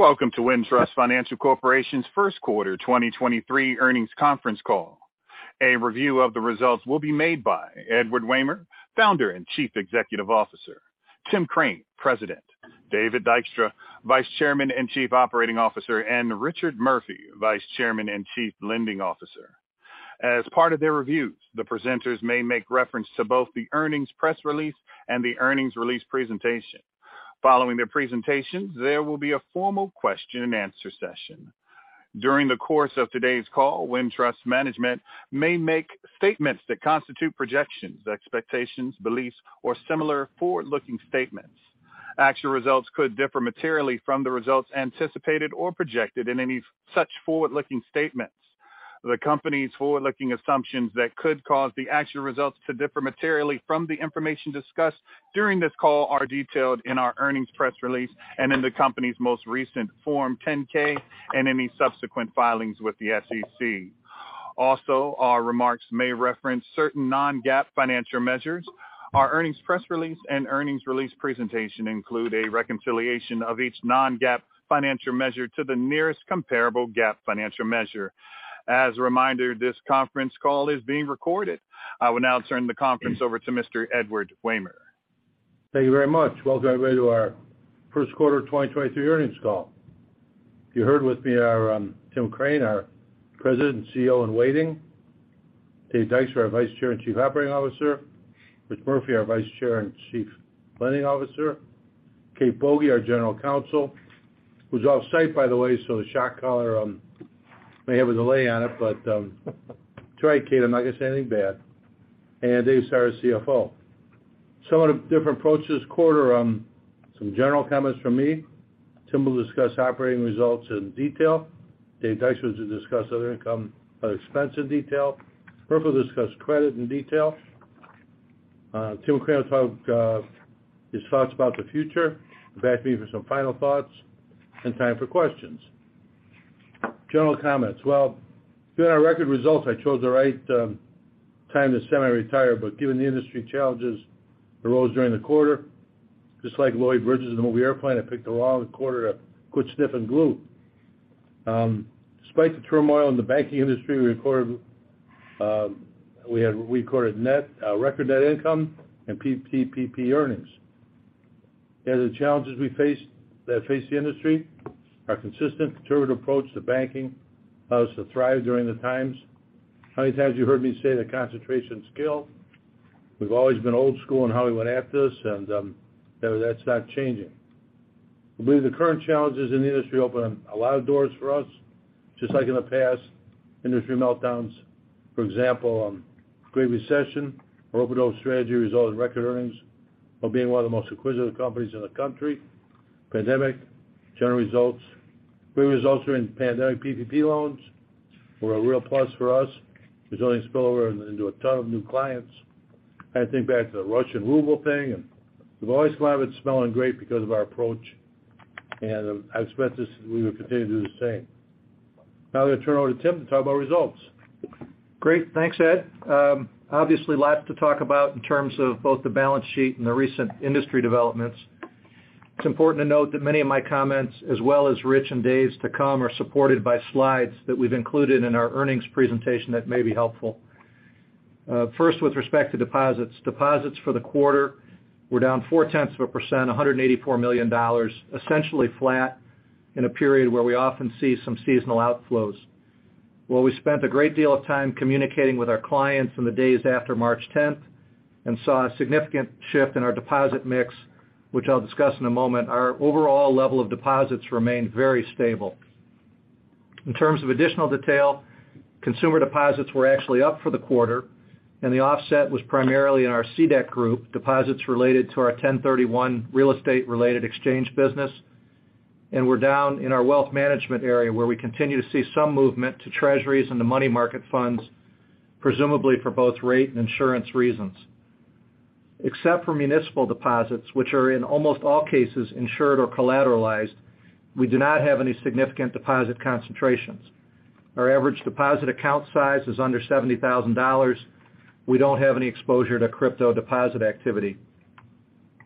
Welcome to Wintrust Financial Corporation's First Quarter 2023 Earnings Conference Call. A review of the results will be made by Edward Wehmer, Founder and Chief Executive Officer, Tim Crane, President, David Dykstra, Vice Chairman and Chief Operating Officer, and Richard Murphy, Vice Chairman and Chief Lending Officer. As part of their reviews, the presenters may make reference to both the earnings press release and the earnings release presentation. Following their presentations, there will be a formal question-and-answer session. During the course of today's call, Wintrust management may make statements that constitute projections, expectations, beliefs, or similar forward-looking statements. Actual results could differ materially from the results anticipated or projected in any such forward-looking statements. The company's forward-looking assumptions that could cause the actual results to differ materially from the information discussed during this call are detailed in our earnings press release and in the company's most recent Form 10-K and any subsequent filings with the SEC. Also, our remarks may reference certain non-GAAP financial measures. Our earnings press release and earnings release presentation include a reconciliation of each non-GAAP financial measure to the nearest comparable GAAP financial measure. As a reminder, this conference call is being recorded. I will now turn the conference over to Mr. Edward Wehmer. Thank you very much. Welcome everybody to our first quarter 2023 earnings call. You heard with me our Tim Crane, our President and CEO in waiting. Dave Dykstra, our Vice Chair and Chief Operating Officer. Rich Murphy, our Vice Chair and Chief Lending Officer. Kate Boege, our General Counsel, who's off-site by the way, so the shot caller may have a delay on it, but it's all right, Kate, I'm not gonna say anything bad. Dave is our CFO. Somewhat of different approaches this quarter, some general comments from me. Tim will discuss operating results in detail. Dave Dykstra will discuss other income, expense in detail. Murphy will discuss credit in detail. Tim Crane will talk his thoughts about the future. Back to me for some final thoughts and time for questions. General comments. Well, given our record results, I chose the right time to semi-retire, but given the industry challenges arose during the quarter, just like Lloyd Bridges in the movie Airplane!, I picked the wrong quarter to quit sniffing glue. Despite the turmoil in the banking industry, we recorded net record net income and PPP earnings. Despite the challenges that face the industry, our consistent, determined approach to banking allows us to thrive during the times. How many times have you heard me say that concentration is skill? We've always been old school in how we went after this and, you know, that's not changing. I believe the current challenges in the industry open a lot of doors for us, just like in the past industry meltdowns. For example, Great Recession, our open door strategy resulted in record earnings while being one of the most acquisitive companies in the country. Pandemic, great results during the pandemic PPP loans were a real plus for us, resulting in spillover into a ton of new clients. I think back to the Russian ruble thing, we've always come out of it smelling great because of our approach. I expect this as we will continue to do the same. Now I'm gonna turn it over to Tim to talk about results. Great. Thanks, Ed. Obviously lots to talk about in terms of both the balance sheet and the recent industry developments. It's important to note that many of my comments, as well as Rich and Dave's to come, are supported by slides that we've included in our earnings presentation that may be helpful. First, with respect to deposits. Deposits for the quarter were down 0.4%, $184 million, essentially flat in a period where we often see some seasonal outflows. While we spent a great deal of time communicating with our clients in the days after March 10th and saw a significant shift in our deposit mix, which I'll discuss in a moment, our overall level of deposits remained very stable. In terms of additional detail, consumer deposits were actually up for the quarter, and the offset was primarily in our CDEC group, deposits related to our 1031 real estate related exchange business. We're down in our wealth management area, where we continue to see some movement to treasuries and to money market funds, presumably for both rate and insurance reasons. Except for municipal deposits, which are, in almost all cases, insured or collateralized, we do not have any significant deposit concentrations. Our average deposit account size is under $70,000. We don't have any exposure to crypto deposit activity.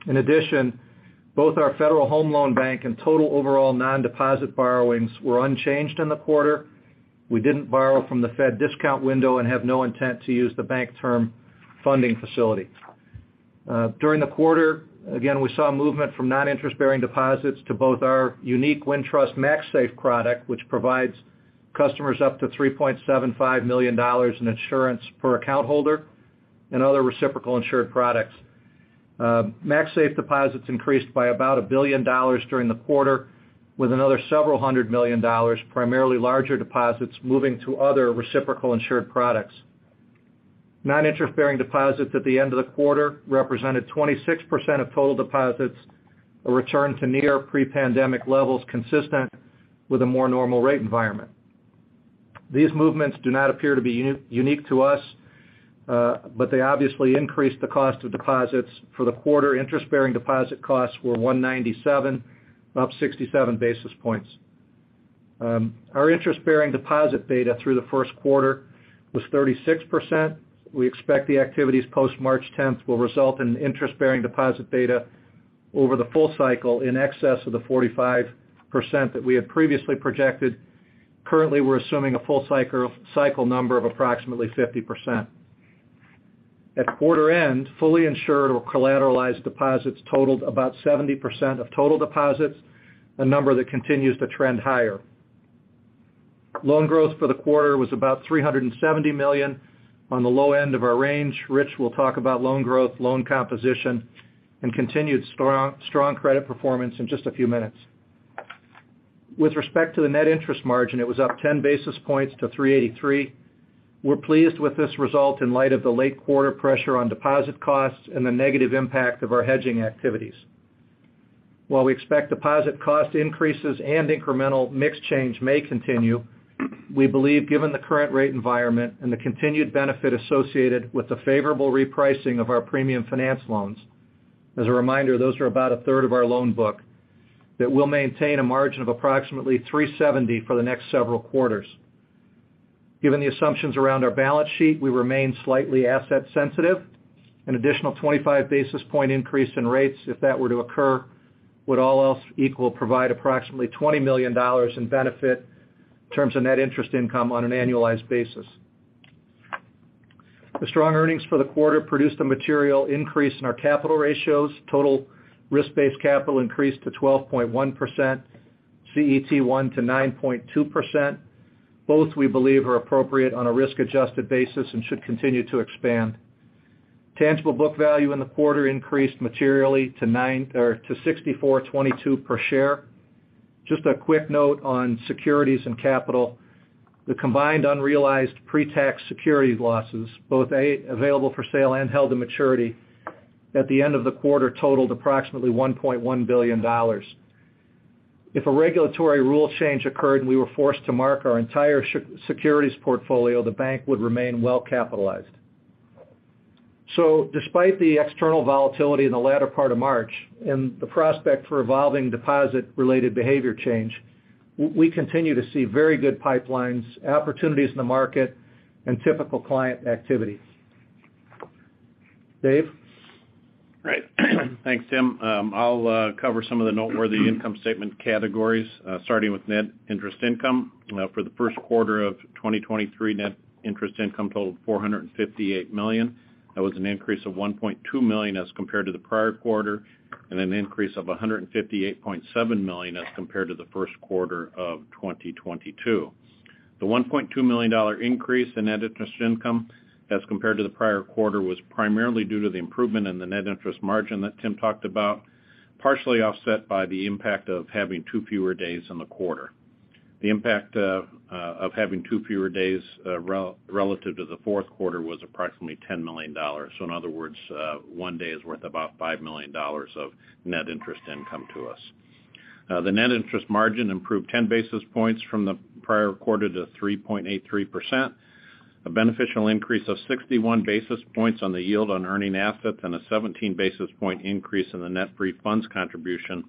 In addition, both our Federal Home Loan Bank and total overall non-deposit borrowings were unchanged in the quarter. We didn't borrow from the Fed discount window and have no intent to use the Bank Term Funding facility. During the quarter, again, we saw movement from non-interest-bearing deposits to both our unique Wintrust MaxSafe product, which provides customers up to $3.75 million in insurance per account holder and other reciprocal insured products. MaxSafe deposits increased by about $1 billion during the quarter, with another several hundred million dollars, primarily larger deposits moving to other reciprocal insured products. non-interest-bearing deposits at the end of the quarter represented 26% of total deposits, a return to near pre-pandemic levels consistent with a more normal rate environment. These movements do not appear to be unique to us, but they obviously increased the cost of deposits. For the quarter, interest-bearing deposit costs were 1.97%, up 67 basis points. Our interest-bearing deposit beta through the first quarter was 36%. We expect the activities post-March 10th will result in interest-bearing deposit beta over the full cycle in excess of the 45% that we had previously projected. Currently, we're assuming a full cycle number of approximately 50%. At quarter end, fully insured or collateralized deposits totaled about 70% of total deposits, a number that continues to trend higher. Loan growth for the quarter was about $370 million on the low end of our range. Rich will talk about loan growth, loan composition, and continued strong credit performance in just a few minutes. Respect to the net interest margin, it was up 10 basis points to 3.83. We're pleased with this result in light of the late quarter pressure on deposit costs and the negative impact of our hedging activities. While we expect deposit cost increases and incremental mix change may continue, we believe given the current rate environment and the continued benefit associated with the favorable repricing of our premium finance loans, as a reminder, those are about a third of our loan book, that we'll maintain a margin of approximately 3.70% for the next several quarters. Given the assumptions around our balance sheet, we remain slightly asset sensitive. An additional 25 basis point increase in rates, if that were to occur, would all else equal, provide approximately $20 million in benefit in terms of net interest income on an annualized basis. The strong earnings for the quarter produced a material increase in our capital ratios. Total risk-based capital increased to 12.1%, CET1 to 9.2%. Both, we believe, are appropriate on a risk-adjusted basis and should continue to expand. Tangible book value in the quarter increased materially to $64.22 per share. Just a quick note on securities and capital. The combined unrealized pre-tax security losses, both available for sale and held to maturity at the end of the quarter totaled approximately $1.1 billion. If a regulatory rule change occurred, and we were forced to mark our entire securities portfolio, the bank would remain well capitalized. Despite the external volatility in the latter part of March and the prospect for evolving deposit-related behavior change, we continue to see very good pipelines, opportunities in the market, and typical client activity. Dave? Right. Thanks, Tim. I'll cover some of the noteworthy income statement categories, starting with net interest income. For the first quarter of 2023, net interest income totaled $458 million. That was an increase of $1.2 million as compared to the prior quarter and an increase of $158.7 million as compared to the first quarter of 2022. The $1.2 million increase in net interest income as compared to the prior quarter was primarily due to the improvement in the net interest margin that Tim talked about, partially offset by the impact of having two fewer days in the quarter. The impact of having two fewer days relative to the fourth quarter was approximately $10 million. In other words, one day is worth about $5 million of net interest income to us. The net interest margin improved 10 basis points from the prior quarter to 3.83%. A beneficial increase of 61 basis points on the yield on earning assets and a 17 basis point increase in the net free funds contribution,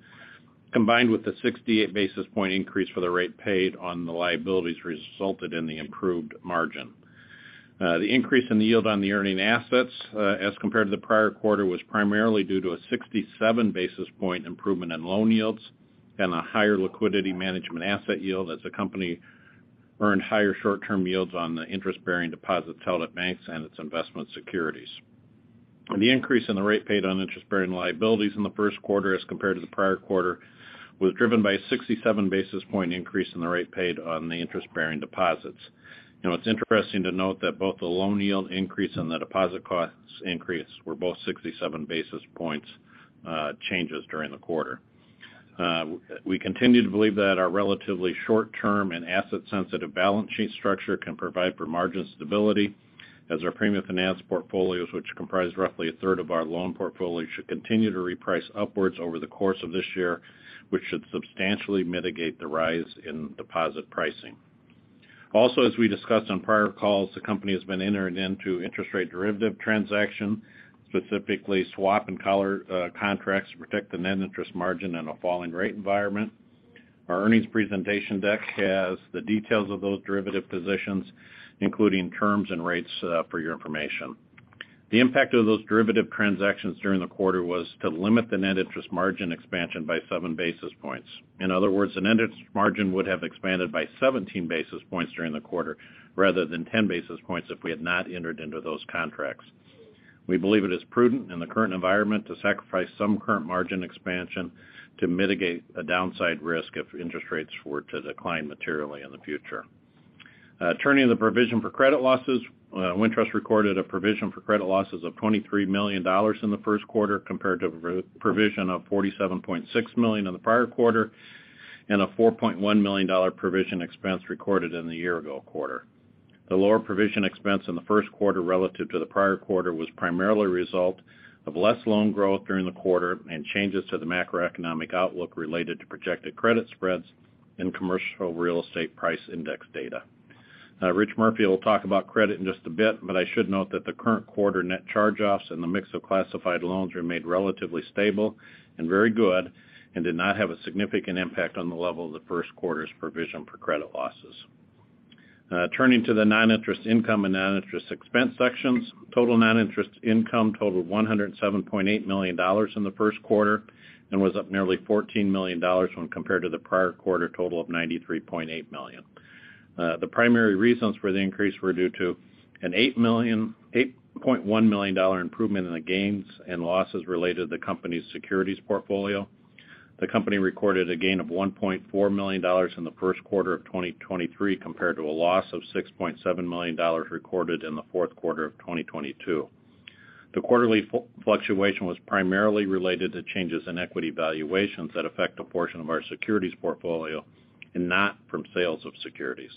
combined with the 68 basis point increase for the rate paid on the liabilities resulted in the improved margin. The increase in the yield on the earning assets, as compared to the prior quarter was primarily due to a 67 basis point improvement in loan yields and a higher liquidity management asset yield as the company earned higher short-term yields on the interest-bearing deposits held at banks and its investment securities. The increase in the rate paid on interest-bearing liabilities in the first quarter as compared to the prior quarter was driven by a 67 basis point increase in the rate paid on the interest-bearing deposits. You know, it's interesting to note that both the loan yield increase and the deposit costs increase were both 67 basis points, changes during the quarter. We continue to believe that our relatively short-term and asset-sensitive balance sheet structure can provide for margin stability as our premium finance portfolios, which comprise roughly a third of our loan portfolio, should continue to reprice upwards over the course of this year, which should substantially mitigate the rise in deposit pricing. As we discussed on prior calls, the company has been entering into interest rate derivative transactions, specifically swap and collar, contracts to protect the net interest margin in a falling rate environment. Our earnings presentation deck has the details of those derivative positions, including terms and rates, for your information. The impact of those derivative transactions during the quarter was to limit the net interest margin expansion by 7 basis points. In other words, the net interest margin would have expanded by 17 basis points during the quarter rather than 10 basis points if we had not entered into those contracts. We believe it is prudent in the current environment to sacrifice some current margin expansion to mitigate a downside risk if interest rates were to decline materially in the future. Turning to the provision for credit losses. Wintrust recorded a provision for credit losses of $23 million in the first quarter compared to a provision of $47.6 million in the prior quarter and a $4.1 million provision expense recorded in the year ago quarter. The lower provision expense in the first quarter relative to the prior quarter was primarily a result of less loan growth during the quarter and changes to the macroeconomic outlook related to projected credit spreads and commercial real estate price index data. Rich Murphy will talk about credit in just a bit, but I should note that the current quarter net charge-offs and the mix of classified loans remained relatively stable and very good, and did not have a significant impact on the level of the first quarter's provision for credit losses. Turning to the non-interest income and non-interest expense sections. Total non-interest income totaled $107.8 million in the first quarter, and was up nearly $14 million when compared to the prior quarter total of $93.8 million. The primary reasons for the increase were due to an $8.1 million improvement in the gains and losses related to the company's securities portfolio. The company recorded a gain of $1.4 million in the first quarter of 2023 compared to a loss of $6.7 million recorded in the fourth quarter of 2022. The quarterly fluctuation was primarily related to changes in equity valuations that affect a portion of our securities portfolio and not from sales of securities.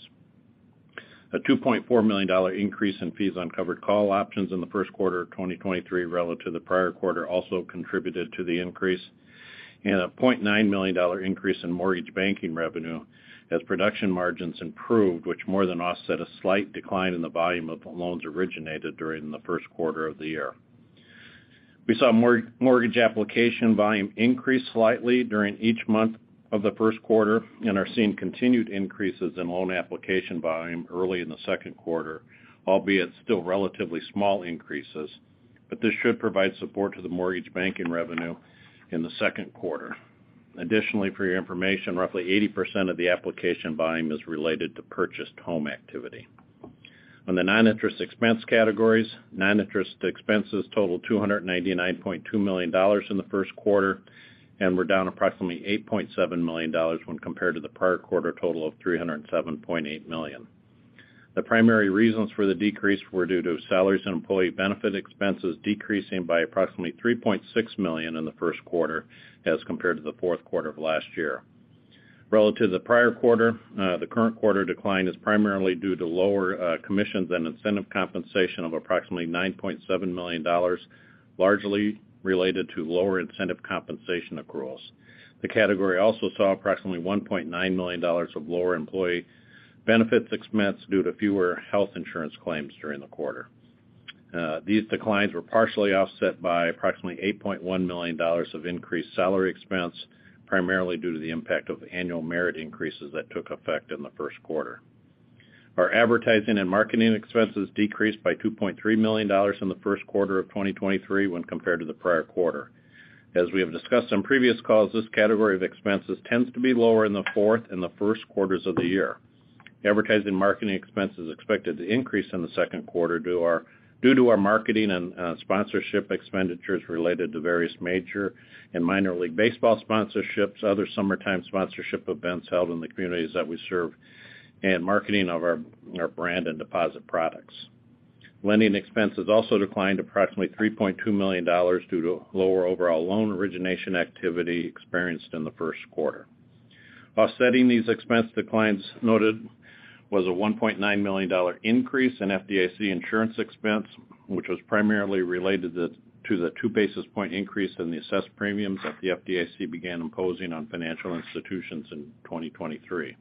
A $2.4 million increase in fees on covered call options in the first quarter of 2023 relative to the prior quarter also contributed to the increase. A $0.9 million increase in mortgage banking revenue as production margins improved, which more than offset a slight decline in the volume of loans originated during the first quarter of the year. We saw mortgage application volume increase slightly during each month of the first quarter and are seeing continued increases in loan application volume early in the second quarter, albeit still relatively small increases. This should provide support to the mortgage banking revenue in the second quarter. Additionally, for your information, roughly 80% of the application volume is related to purchased home activity. On the non-interest expense categories, non-interest expenses totaled $299.2 million in the first quarter, were down approximately $8.7 million when compared to the prior quarter total of $307.8 million. The primary reasons for the decrease were due to salaries and employee benefit expenses decreasing by approximately $3.6 million in the first quarter as compared to the fourth quarter of last year. Relative to the prior quarter, the current quarter decline is primarily due to lower commissions and incentive compensation of approximately $9.7 million, largely related to lower incentive compensation accruals. The category also saw approximately $1.9 million of lower employee benefits expense due to fewer health insurance claims during the quarter. These declines were partially offset by approximately $8.1 million of increased salary expense, primarily due to the impact of annual merit increases that took effect in the first quarter. Our advertising and marketing expenses decreased by $2.3 million in the first quarter of 2023 when compared to the prior quarter. As we have discussed on previous calls, this category of expenses tends to be lower in the fourth and the first quarters of the year. Advertising and marketing expense is expected to increase in the second quarter due to our marketing and sponsorship expenditures related to various Major League Baseball and Minor League Baseball sponsorships, other summertime sponsorship events held in the communities that we serve, and marketing of our brand and deposit products. Lending expenses also declined approximately $3.2 million due to lower overall loan origination activity experienced in the first quarter. Offsetting these expense declines noted was a $1.9 million increase in FDIC insurance expense, which was primarily related to the 2-basis point increase in the assessed premiums that the FDIC began imposing on financial institutions in 2023.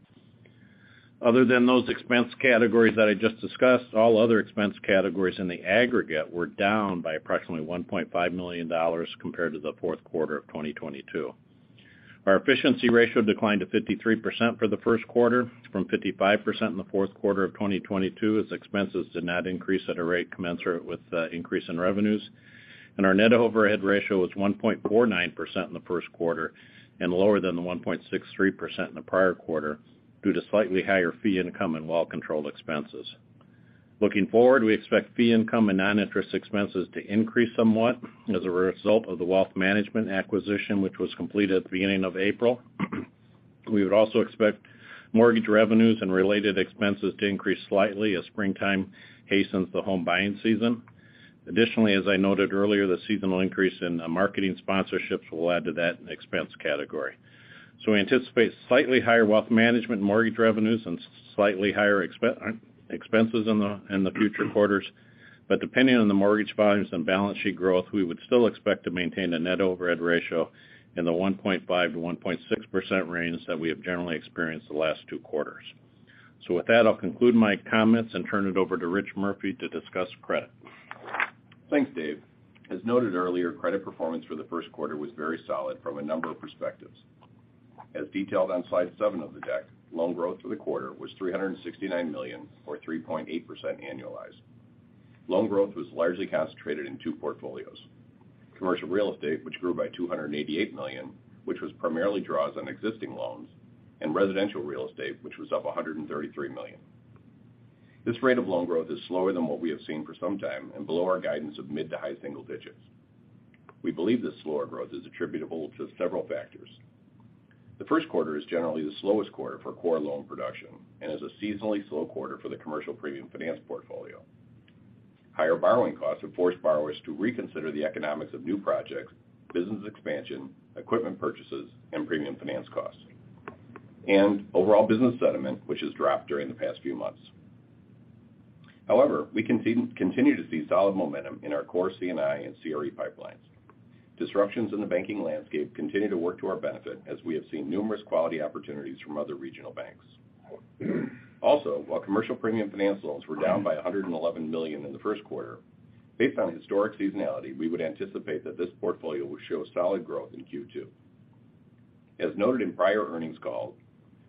Other than those expense categories that I just discussed, all other expense categories in the aggregate were down by approximately $1.5 million compared to the fourth quarter of 2022. Our efficiency ratio declined to 53% for the first quarter from 55% in the fourth quarter of 2022 as expenses did not increase at a rate commensurate with the increase in revenues. Our net overhead ratio was 1.49% in the first quarter and lower than the 1.63% in the prior quarter due to slightly higher fee income and well-controlled expenses. Looking forward, we expect fee income and non-interest expenses to increase somewhat as a result of the wealth management acquisition, which was completed at the beginning of April. We would also expect mortgage revenues and related expenses to increase slightly as springtime hastens the home buying season. Additionally, as I noted earlier, the seasonal increase in marketing sponsorships will add to that expense category. We anticipate slightly higher wealth management mortgage revenues and slightly higher expenses in the future quarters. Depending on the mortgage volumes and balance sheet growth, we would still expect to maintain a net overhead ratio in the 1.5%-1.6% range that we have generally experienced the last two quarters. With that, I'll conclude my comments and turn it over to Rich Murphy to discuss credit. Thanks, Dave. As noted earlier, credit performance for the first quarter was very solid from a number of perspectives. As detailed on slide seven of the deck, loan growth for the quarter was $369 million or 3.8% annualized. Loan growth was largely concentrated in two portfolios. Commercial Real Estate, which grew by $288 million, which was primarily draws on existing loans, and residential real estate, which was up $133 million. This rate of loan growth is slower than what we have seen for some time and below our guidance of mid to high single digits. We believe this slower growth is attributable to several factors. The first quarter is generally the slowest quarter for core loan production and is a seasonally slow quarter for the commercial premium finance portfolio. Higher borrowing costs have forced borrowers to reconsider the economics of new projects, business expansion, equipment purchases, and premium finance costs. Overall business sentiment, which has dropped during the past few months. However, we continue to see solid momentum in our core C&I and CRE pipelines. Disruptions in the banking landscape continue to work to our benefit, as we have seen numerous quality opportunities from other regional banks. While commercial premium finance loans were down by $111 million in the first quarter, based on historic seasonality, we would anticipate that this portfolio will show solid growth in Q2. As noted in prior earnings calls,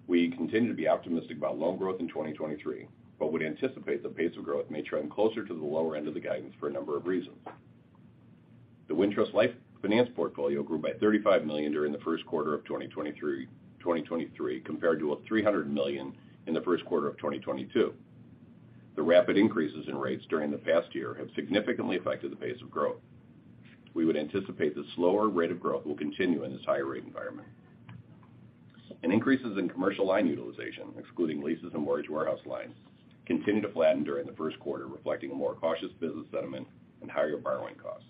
we continue to be optimistic about loan growth in 2023, but would anticipate the pace of growth may trend closer to the lower end of the guidance for a number of reasons. The Wintrust Life Finance portfolio grew by $35 million during the first quarter of 2023, compared to a $300 million in the first quarter of 2022. The rapid increases in rates during the past year have significantly affected the pace of growth. We would anticipate the slower rate of growth will continue in this higher rate environment. Increases in commercial line utilization, excluding leases and mortgage warehouse lines, continue to flatten during the first quarter, reflecting a more cautious business sentiment and higher borrowing costs.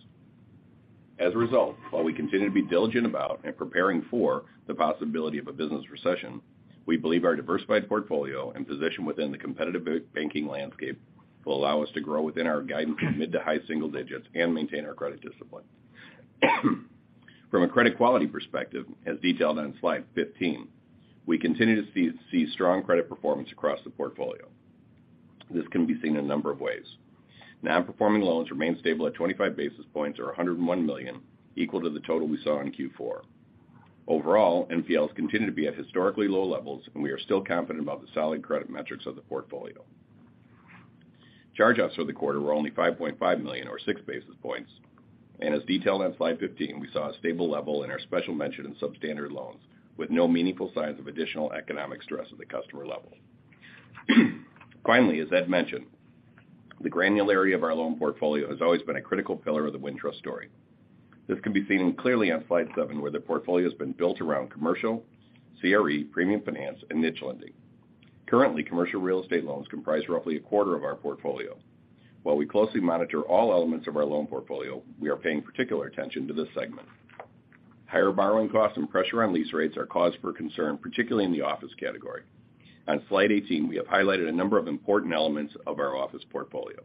As a result, while we continue to be diligent about and preparing for the possibility of a business recession, we believe our diversified portfolio and position within the competitive banking landscape will allow us to grow within our guidance mid to high single digits and maintain our credit discipline. From a credit quality perspective, as detailed on slide 15, we continue to see strong credit performance across the portfolio. This can be seen in a number of ways. Non-performing loans remain stable at 25 basis points or $101 million, equal to the total we saw in Q4. Overall, NPLs continue to be at historically low levels, and we are still confident about the solid credit metrics of the portfolio. Charge-offs for the quarter were only $5.5 million or 6 basis points. As detailed on slide 15, we saw a stable level in our special mention in substandard loans, with no meaningful signs of additional economic stress at the customer level. Finally, as Ed mentioned, the granularity of our loan portfolio has always been a critical pillar of the Wintrust story. This can be seen clearly on slide seven, where the portfolio has been built around commercial, CRE, premium finance, and niche lending. Currently, commercial real estate loans comprise roughly a quarter of our portfolio. While we closely monitor all elements of our loan portfolio, we are paying particular attention to this segment. Higher borrowing costs and pressure on lease rates are cause for concern, particularly in the office category. On slide 18, we have highlighted a number of important elements of our office portfolio.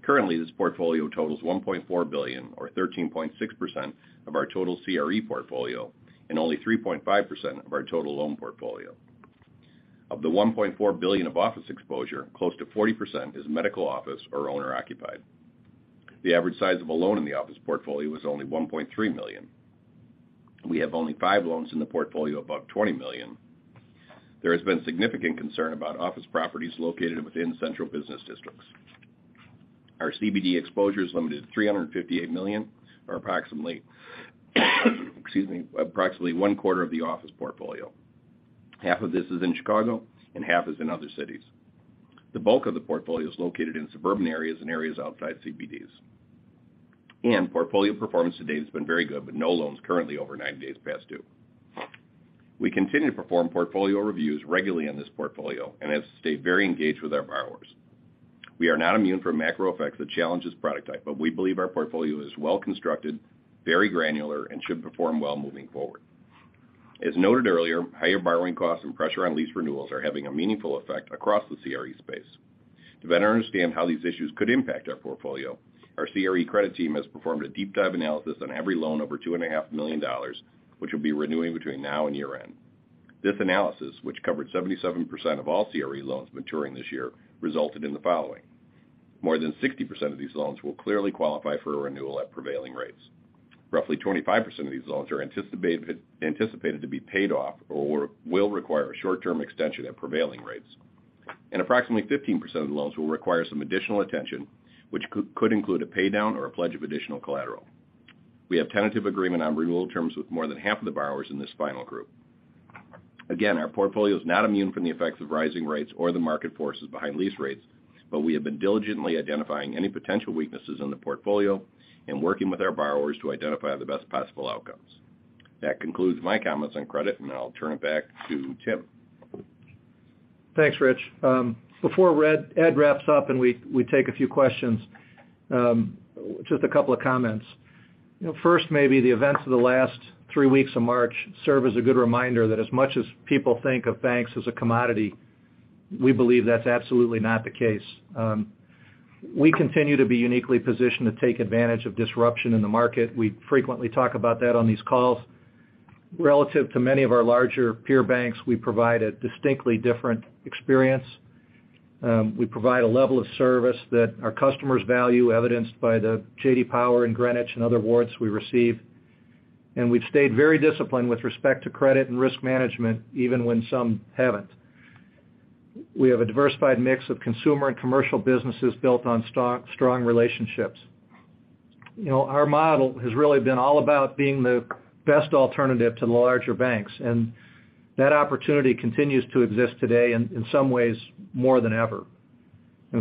Currently, this portfolio totals $1.4 billion or 13.6% of our total CRE portfolio and only 3.5% of our total loan portfolio. Of the $1.4 billion of office exposure, close to 40% is medical office or owner-occupied. The average size of a loan in the office portfolio is only $1.3 million. We have only five loans in the portfolio above $20 million. There has been significant concern about office properties located within central business districts. Our CBD exposure is limited to $358 million or approximately one-quarter of the office portfolio. Half of this is in Chicago and half is in other cities. The bulk of the portfolio is located in suburban areas and areas outside CBDs. Portfolio performance to date has been very good with no loans currently over 90 days past due. We continue to perform portfolio reviews regularly in this portfolio and have stayed very engaged with our borrowers. We are not immune from macro effects that challenge this product type, but we believe our portfolio is well-constructed, very granular, and should perform well moving forward. As noted earlier, higher borrowing costs and pressure on lease renewals are having a meaningful effect across the CRE space. To better understand how these issues could impact our portfolio, our CRE credit team has performed a deep dive analysis on every loan over $2.5 million, which will be renewing between now and year-end. This analysis, which covered 77% of all CRE loans maturing this year, resulted in the following. More than 60% of these loans will clearly qualify for a renewal at prevailing rates. Roughly 25% of these loans are anticipated to be paid off or will require a short-term extension at prevailing rates. Approximately 15% of the loans will require some additional attention, which could include a pay down or a pledge of additional collateral. We have tentative agreement on renewal terms with more than half of the borrowers in this final group. Again, our portfolio is not immune from the effects of rising rates or the market forces behind lease rates, but we have been diligently identifying any potential weaknesses in the portfolio and working with our borrowers to identify the best possible outcomes. That concludes my comments on credit, and I'll turn it back to Tim. Thanks, Rich. Before Ed wraps up and we take a few questions, just a couple of comments. You know, first, maybe the events of the last three weeks of March serve as a good reminder that as much as people think of banks as a commodity, we believe that's absolutely not the case. We continue to be uniquely positioned to take advantage of disruption in the market. We frequently talk about that on these calls. Relative to many of our larger peer banks, we provide a distinctly different experience. We provide a level of service that our customers value, evidenced by the J.D. Power and Greenwich and other awards we receive. We've stayed very disciplined with respect to credit and risk management, even when some haven't. We have a diversified mix of consumer and commercial businesses built on strong relationships. You know, our model has really been all about being the best alternative to the larger banks, and that opportunity continues to exist today in some ways more than ever.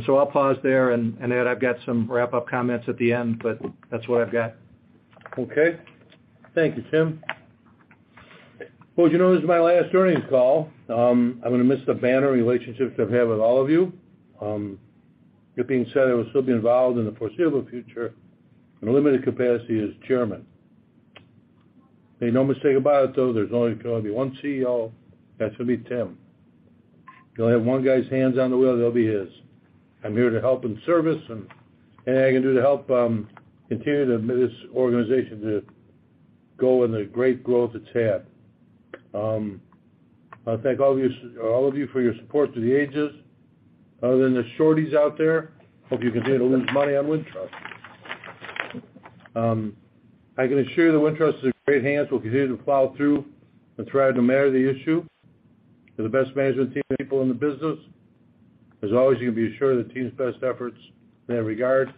I'll pause there. Ed, I've got some wrap-up comments at the end, but that's what I've got. Okay. Thank you, Tim. As you know, this is my last earnings call. I'm gonna miss the banner relationships I've had with all of you. That being said, I will still be involved in the foreseeable future in a limited capacity as chairman. Make no mistake about it though, there's only gonna be one CEO. That's gonna be Tim. You'll have one guy's hands on the wheel, that'll be his. I'm here to help in service and anything I can do to help, continue this organization to go in the great growth it's had. I thank all of you for your support through the ages. Other than the shorties out there, hope you continue to lose money on Wintrust. I can assure you that Wintrust is in great hands. We'll continue to plow through and try to marry the issue. We have the best management team of people in the business. As always, you can be assured of the team's best efforts in that regard.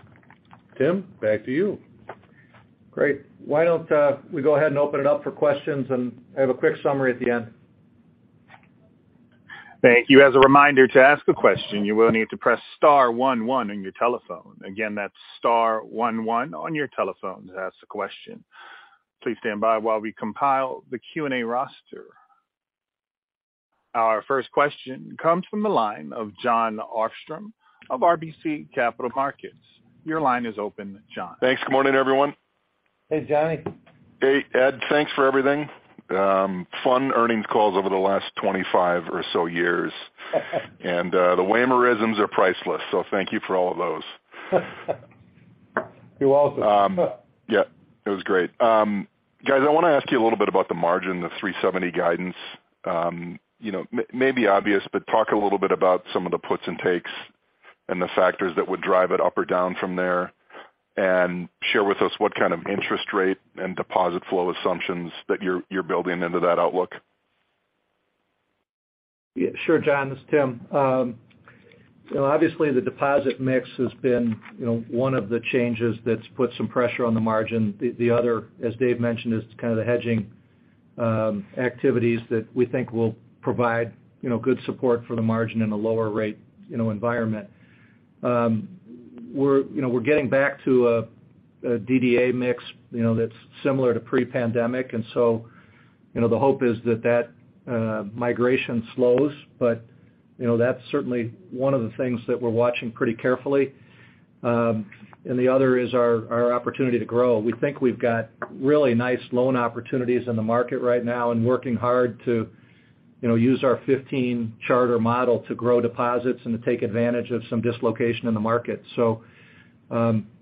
Tim, back to you. Great. Why don't we go ahead and open it up for questions, and I have a quick summary at the end. Thank you. As a reminder to ask a question, you will need to press star one one on your telephone. Again, that's star one one on your telephone to ask a question. Please stand by while we compile the Q&A roster. Our first question comes from the line of Jon Arfstrom of RBC Capital Markets. Your line is open, Jon. Thanks. Good morning, everyone. Hey, Jonny. Hey, Ed. Thanks for everything. fun earnings calls over the last 25 or so years. The Wehmerisms are priceless, so thank you for all of those. You're welcome. Yeah, it was great. Guys, I want to ask you a little bit about the margin, the 370 guidance. You know, may be obvious, but talk a little bit about some of the puts and takes and the factors that would drive it up or down from there. Share with us what kind of interest rate and deposit flow assumptions that you're building into that outlook. Yeah. Sure, Jon. This is Tim. You know, obviously the deposit mix has been, you know, one of the changes that's put some pressure on the margin. The other, as Dave mentioned, is kind of the hedging activities that we think will provide, you know, good support for the margin in a lower rate, you know, environment. We're, you know, we're getting back to a DDA mix, you know, that's similar to pre-pandemic. You know, the hope is that that migration slows. You know, that's certainly one of the things that we're watching pretty carefully. The other is our opportunity to grow. We think we've got really nice loan opportunities in the market right now and working hard to, you know, use our 15 charter model to grow deposits and to take advantage of some dislocation in the market.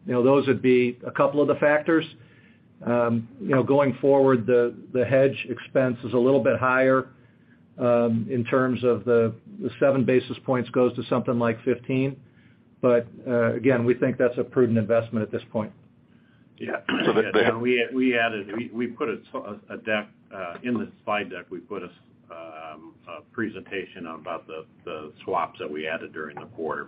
You know, those would be a couple of the factors. You know, going forward, the hedge expense is a little bit higher in terms of the 7 basis points goes to something like 15. Again, we think that's a prudent investment at this point. Yeah. We, we put a deck in the slide deck, we put a presentation about the swaps that we added during the quarter.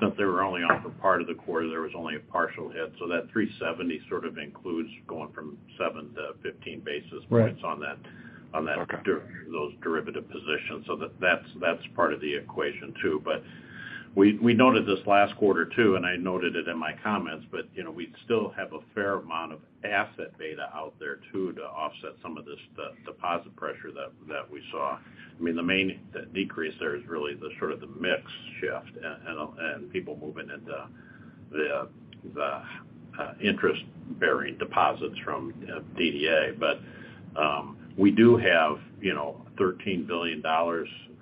Since they were only on for part of the quarter, there was only a partial hit. That 370 sort of includes going from 7-15 basis points- Right. -on that- Okay. those derivative positions. That's, that's part of the equation too. We noted this last quarter too, and I noted it in my comments, but, you know, we still have a fair amount of asset beta out there too to offset some of this, the deposit pressure that we saw. I mean, the main decrease there is really the sort of the mix shift and people moving into the interest-bearing deposits from DDA. We do have, you know, $13 billion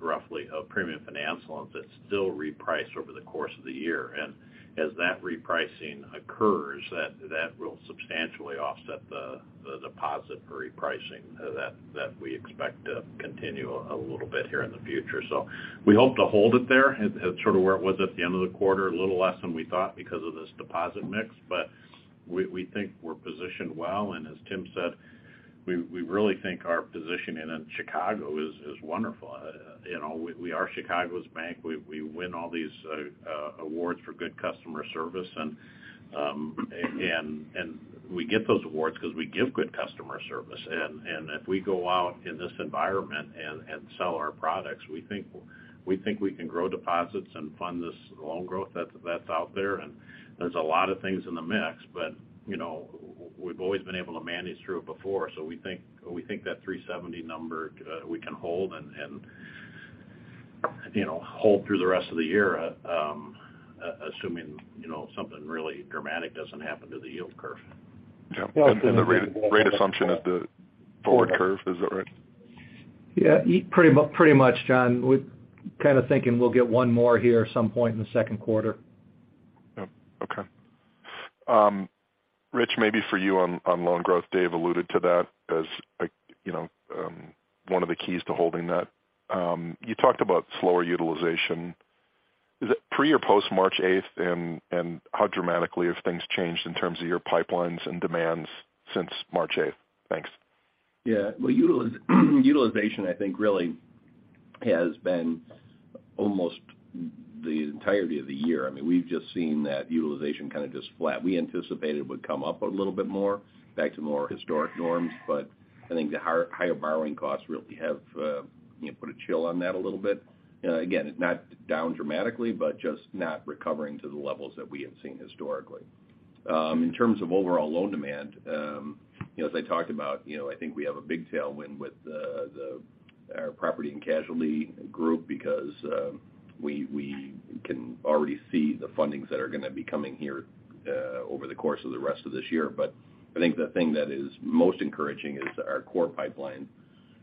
roughly of premium finance loans that still reprice over the course of the year. As that repricing occurs, that will substantially offset the deposit repricing that we expect to continue a little bit here in the future. We hope to hold it there at sort of where it was at the end of the quarter, a little less than we thought because of this deposit mix. We think we're positioned well. As Tim said, we really think our positioning in Chicago is wonderful. You know, we are Chicago's bank. We win all these awards for good customer service. We get those awards because we give good customer service. If we go out in this environment and sell our products, we think we can grow deposits and fund this loan growth that's out there. There's a lot of things in the mix. You know, we've always been able to manage through it before. We think that 370 number, we can hold and, you know, hold through the rest of the year, assuming, you know, something really dramatic doesn't happen to the yield curve. Yeah. The rate assumption is the forward curve. Is that right? Yeah. Pretty much, Jon. We're kind of thinking we'll get one more here some point in the second quarter. Yeah. Okay. Rich, maybe for you on loan growth. Dave alluded to that as, like, you know, one of the keys to holding that. You talked about slower utilization. Is it pre or post March 8th? How dramatically have things changed in terms of your pipelines and demands since March 8th? Thanks. Yeah. Well, utilization, I think, really has been almost the entirety of the year. I mean, we've just seen that utilization kind of just flat. We anticipated it would come up a little bit more back to more historic norms. I think the higher borrowing costs really have, you know, put a chill on that a little bit. Again, not down dramatically, but just not recovering to the levels that we have seen historically. In terms of overall loan demand, you know, as I talked about, you know, I think we have a big tailwind with the Our property and casualty group because we can already see the fundings that are going to be coming here over the course of the rest of this year. I think the thing that is most encouraging is our core pipeline.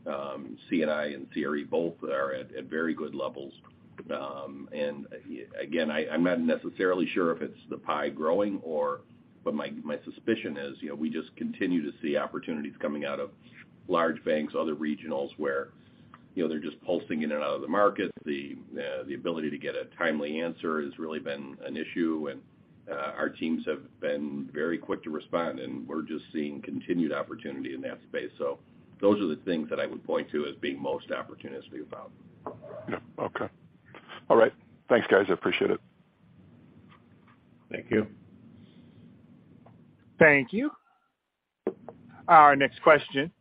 C&I and CRE both are at very good levels. Again, I'm not necessarily sure if it's the pie growing or, but my suspicion is, you know, we just continue to see opportunities coming out of large banks, other regionals where, you know, they're just pulsing in and out of the market. The ability to get a timely answer has really been an issue. Our teams have been very quick to respond, and we're just seeing continued opportunity in that space. Those are the things that I would point to as being most opportunistic about. Yeah. Okay. All right. Thanks, guys. I appreciate it. Thank you. Thank you. Our next question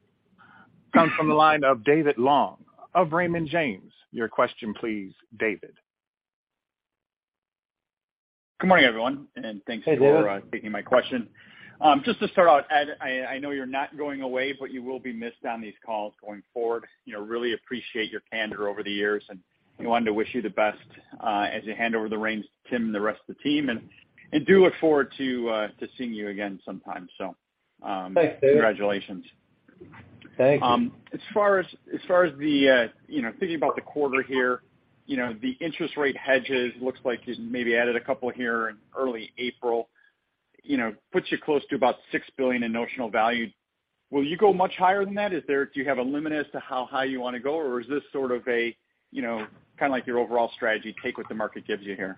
comes from the line of David Long of Raymond James. Your question, please, David. Good morning, everyone, and thanks. Hey, David. taking my question. Just to start out, Ed, I know you're not going away, but you will be missed on these calls going forward. You know, really appreciate your candor over the years, and we wanted to wish you the best as you hand over the reins to Tim and the rest of the team. Do look forward to seeing you again sometime. Thanks, David. Congratulations. Thank you. As far as the, you know, thinking about the quarter here, you know, the interest rate hedges looks like you maybe added a couple here in early April. You know, puts you close to about $6 billion in notional value. Will you go much higher than that? Do you have a limit as to how high you want to go, or is this sort of a, you know, kind of like your overall strategy, take what the market gives you here?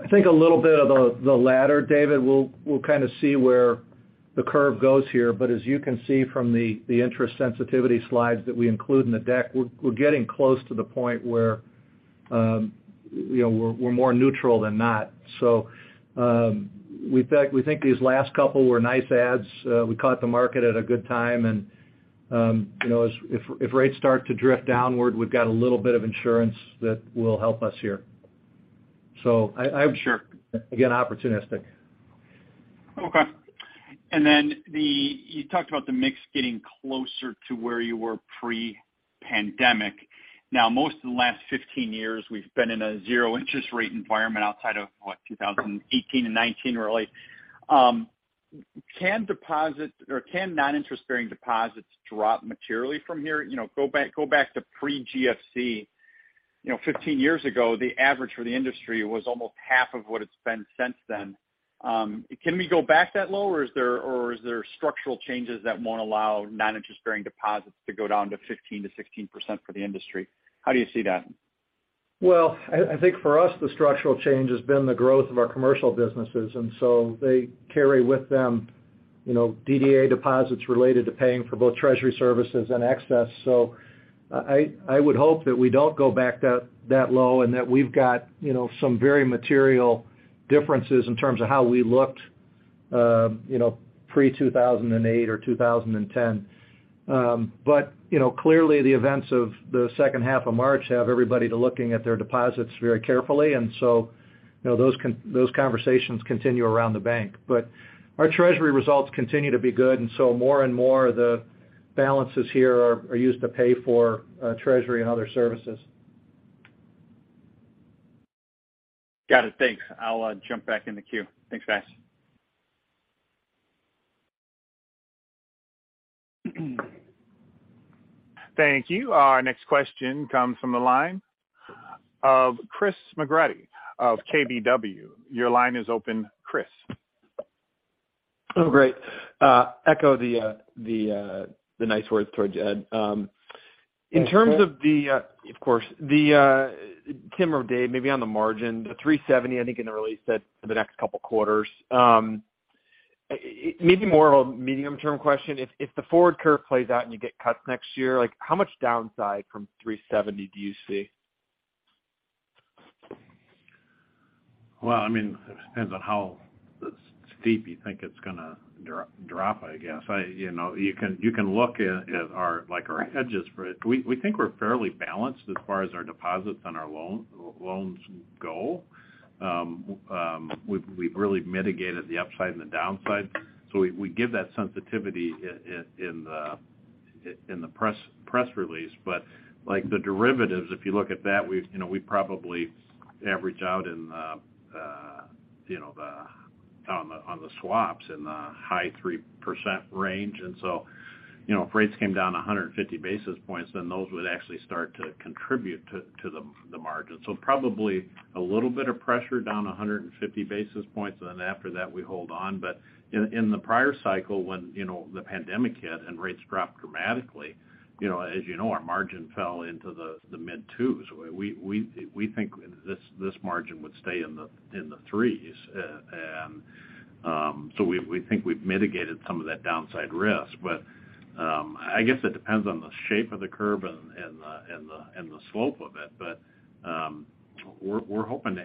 I think a little bit of the latter, David. We'll kind of see where the curve goes here. As you can see from the interest sensitivity slides that we include in the deck, we're getting close to the point where, you know, we're more neutral than not. We think these last couple were nice adds. We caught the market at a good time and, you know, if rates start to drift downward, we've got a little bit of insurance that will help us here. Sure. Again, opportunistic. Okay. You talked about the mix getting closer to where you were pre-pandemic. Now, most of the last 15 years we've been in a zero interest rate environment outside of, what, 2018 and 2019 really. Can non-interest-bearing deposits drop materially from here? You know, go back to pre-GFC. You know, 15 years ago, the average for the industry was almost half of what it's been since then. Can we go back that low, or is there structural changes that won't allow non-interest-bearing deposits to go down to 15%-16% for the industry? How do you see that? I think for us, the structural change has been the growth of our commercial businesses, and so they carry with them, you know, DDA deposits related to paying for both treasury services and excess. I would hope that we don't go back that low and that we've got, you know, some very material differences in terms of how we looked, you know, pre-2008 or 2010. You know, clearly the events of the second half of March have everybody to looking at their deposits very carefully. You know, those conversations continue around the bank. Our treasury results continue to be good, and so more and more the balances here are used to pay for treasury and other services. Got it. Thanks. I'll jump back in the queue. Thanks, guys. Thank you. Our next question comes from the line of Chris McGratty of KBW. Your line is open, Chris. Great. Echo the nice words towards Ed. In terms of course, Tim or Dave, maybe on the margin, the 3.70%, I think in the release said the next couple quarters. It may be more of a medium-term question. If the forward curve plays out and you get cuts next year, like how much downside from 3.70% do you see? Well, I mean, it depends on how steep you think it's gonna drop, I guess. I. You know, you can, you can look at our, like our hedges for it. We think we're fairly balanced as far as our deposits and our loans go. We've really mitigated the upside and the downside. We give that sensitivity in the press release. Like the derivatives, if you look at that, we've, you know, we probably average out in the, you know, the, on the swaps in the high 3% range. You know, if rates came down 150 basis points, those would actually start to contribute to the margin. Probably a little bit of pressure down 150 basis points, and then after that, we hold on. In, in the prior cycle, when, you know, the pandemic hit and rates dropped dramatically, you know, as you know, our margin fell into the mid twos. We think this margin would stay in the, in the threes. We think we've mitigated some of that downside risk. I guess it depends on the shape of the curve and the slope of it. We're hoping to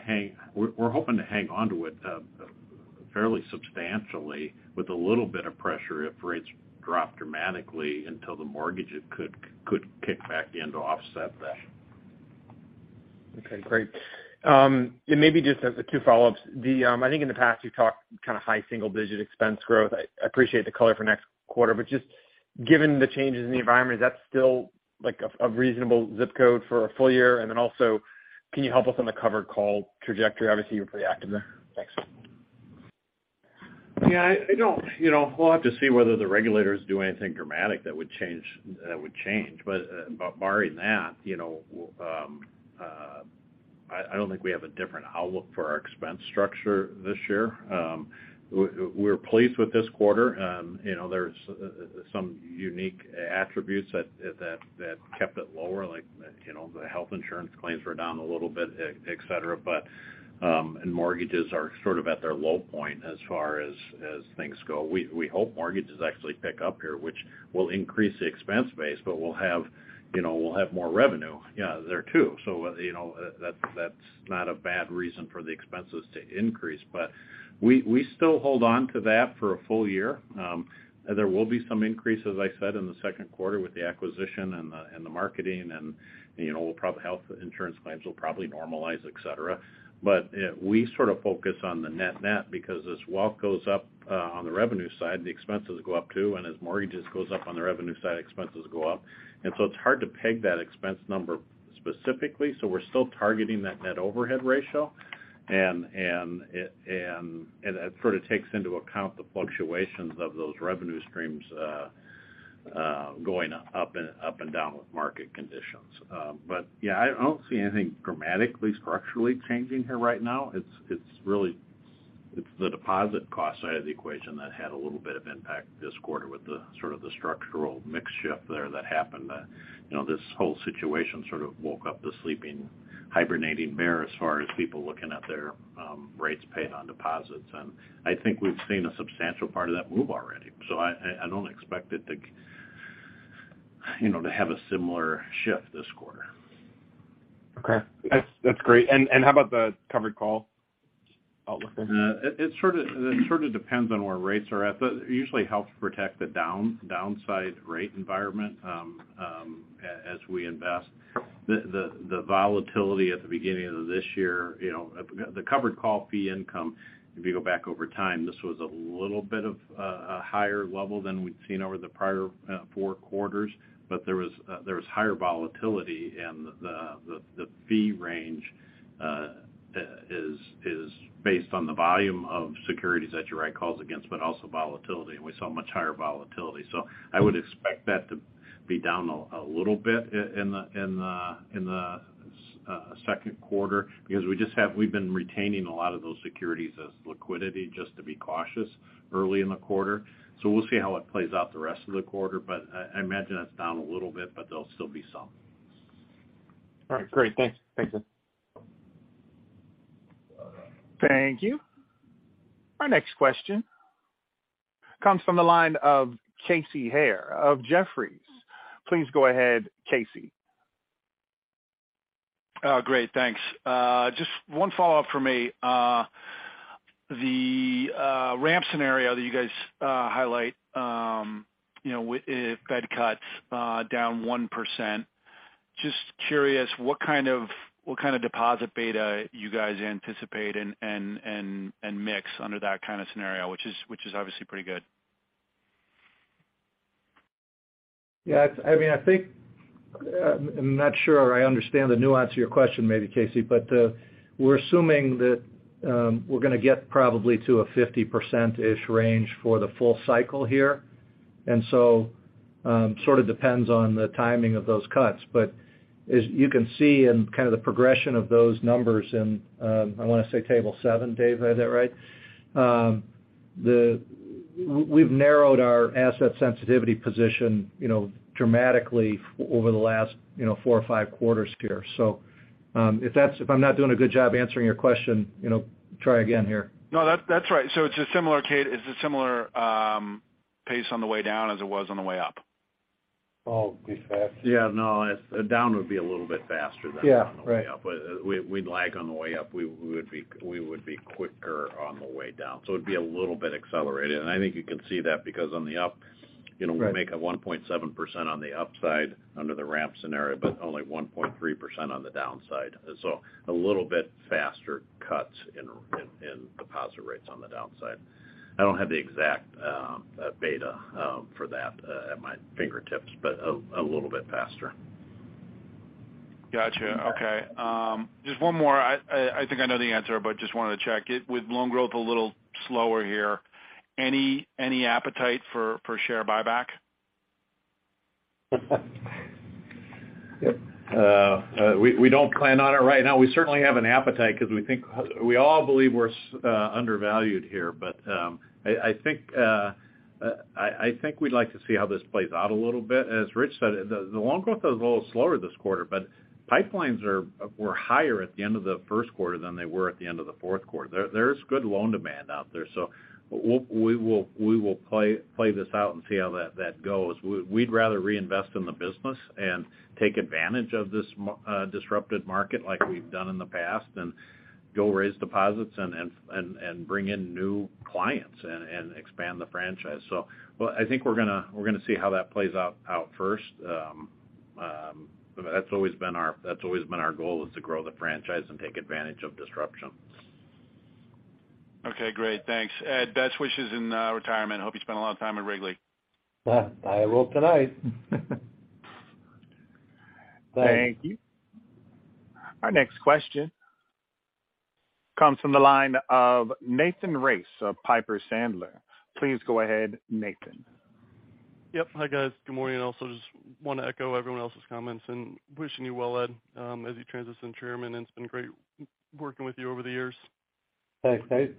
hang on to it, fairly substantially with a little bit of pressure if rates drop dramatically until the mortgages could kick back in to offset that. Okay, great. Maybe just as the two follow-ups. I think in the past, you've talked kind of high single-digit expense growth. I appreciate the color for next quarter, just given the changes in the environment, is that still like a reasonable ZIP Code for a full year? Also, can you help us on the covered call trajectory? Obviously, you're pretty active there. Thanks. Yeah, I don't... You know, we'll have to see whether the regulators do anything dramatic that would change, that would change. Barring that, you know, I don't think we have a different outlook for our expense structure this year. We're pleased with this quarter. You know, there's some unique attributes that kept it lower, like, you know, the health insurance claims were down a little bit, etc. Mortgages are sort of at their low point as far as things go. We hope mortgages actually pick up here, which will increase the expense base, but we'll have, you know, we'll have more revenue, yeah, there too. You know, that's not a bad reason for the expenses to increase. We still hold on to that for a full year. There will be some increase, as I said, in the second quarter with the acquisition and the marketing and, you know, probably health insurance claims will probably normalize, et cetera. We sort of focus on the net net because as wealth goes up on the revenue side, the expenses go up, too. As mortgages goes up on the revenue side, expenses go up. It's hard to peg that expense number specifically, so we're still targeting that net overhead ratio. It sort of takes into account the fluctuations of those revenue streams going up and down with market conditions. Yeah, I don't see anything dramatically structurally changing here right now. It's really the deposit cost side of the equation that had a little bit of impact this quarter with the sort of the structural mix shift there that happened. You know, this whole situation sort of woke up the sleeping hibernating bear as far as people looking at their rates paid on deposits. I think we've seen a substantial part of that move already. I don't expect it to, you know, to have a similar shift this quarter. Okay. That's great. How about the covered call outlook there? It sort of depends on where rates are at, but it usually helps protect the downside rate environment as we invest. The volatility at the beginning of this year, you know, the covered call fee income, if you go back over time, this was a little bit of a higher level than we'd seen over the prior four quarters. There was higher volatility, and the fee range is based on the volume of securities that you write calls against, but also volatility, and we saw much higher volatility. I would expect that to be down a little bit in the second quarter because we've been retaining a lot of those securities as liquidity just to be cautious early in the quarter. We'll see how it plays out the rest of the quarter, but I imagine that's down a little bit, but there'll still be some. All right, great. Thanks. Thanks, Dave. Thank you. Our next question comes from the line of Casey Haire of Jefferies. Please go ahead, Casey. Oh, great. Thanks. Just one follow-up for me. The ramp scenario that you guys highlight, you know, if Fed cuts down 1%, just curious, what kind of deposit beta you guys anticipate and mix under that kind of scenario, which is obviously pretty good? Yeah. I mean, I think, I'm not sure I understand the nuance of your question maybe, Casey, we're assuming that, we're gonna get probably to a 50%-ish range for the full cycle here. Sort of depends on the timing of those cuts. As you can see in kind of the progression of those numbers in, I want to say table 7, Dave, do I have that right? We've narrowed our asset sensitivity position, you know, dramatically over the last, you know, four or five quarters here. If I'm not doing a good job answering your question, you know, try again here. No, that's right. It's a similar pace on the way down as it was on the way up. Oh, be fast. Yeah, no. It's, down would be a little bit faster than. Yeah, right.... on the way up. We'd lag on the way up. We would be quicker on the way down. It'd be a little bit accelerated. I think you can see that because on the up, you know. Right. We make a 1.7% on the upside under the ramp scenario, but only 1.3% on the downside. A little bit faster cuts in deposit rates on the downside. I don't have the exact beta for that at my fingertips, but a little bit faster. Gotcha. Okay. Just one more. I think I know the answer, but just wanted to check. With loan growth a little slower here, any appetite for share buyback? We don't plan on it right now. We certainly have an appetite because we all believe we're undervalued here. I think we'd like to see how this plays out a little bit. As Rich said, the loan growth is a little slower this quarter, but pipelines were higher at the end of the first quarter than they were at the end of the fourth quarter. There is good loan demand out there, so we'll we will play this out and see how that goes. We'd rather reinvest in the business and take advantage of this disrupted market like we've done in the past and go raise deposits and bring in new clients and expand the franchise. I think we're gonna see how that plays out first. That's always been our goal is to grow the franchise and take advantage of disruption. Okay, great. Thanks. Ed, best wishes in retirement. Hope you spend a lot of time at Wrigley. Well, I will tonight. Thank you. Our next question comes from the line of Nathan Race of Piper Sandler. Please go ahead, Nathan. Yep. Hi, guys. Good morning. I also just want to echo everyone else's comments and wishing you well, Ed, as you transition to Chairman, and it's been great working with you over the years. Thanks, Nate.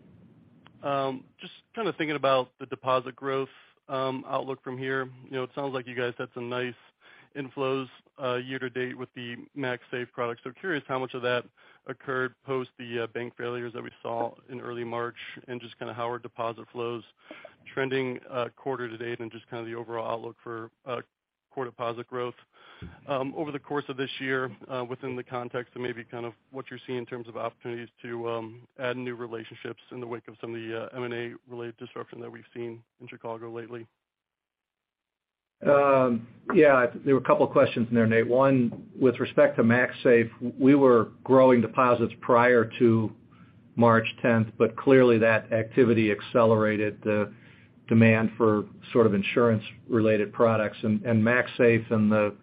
Just kind of thinking about the deposit growth outlook from here, you know, it sounds like you guys had some nice inflows year to date with the MaxSafe product. Curious how much of that occurred post the bank failures that we saw in early March and just kind of how are deposit flows trending quarter to date and just kind of the overall outlook for core deposit growth over the course of this year within the context of maybe kind of what you're seeing in terms of opportunities to add new relationships in the wake of some of the M&A-related disruption that we've seen in Chicago lately? Yeah. There were a couple questions in there, Nate. One, with respect to MaxSafe, we were growing deposits prior to March tenth, but clearly that activity accelerated the demand for sort of insurance-related products. MaxSafe and the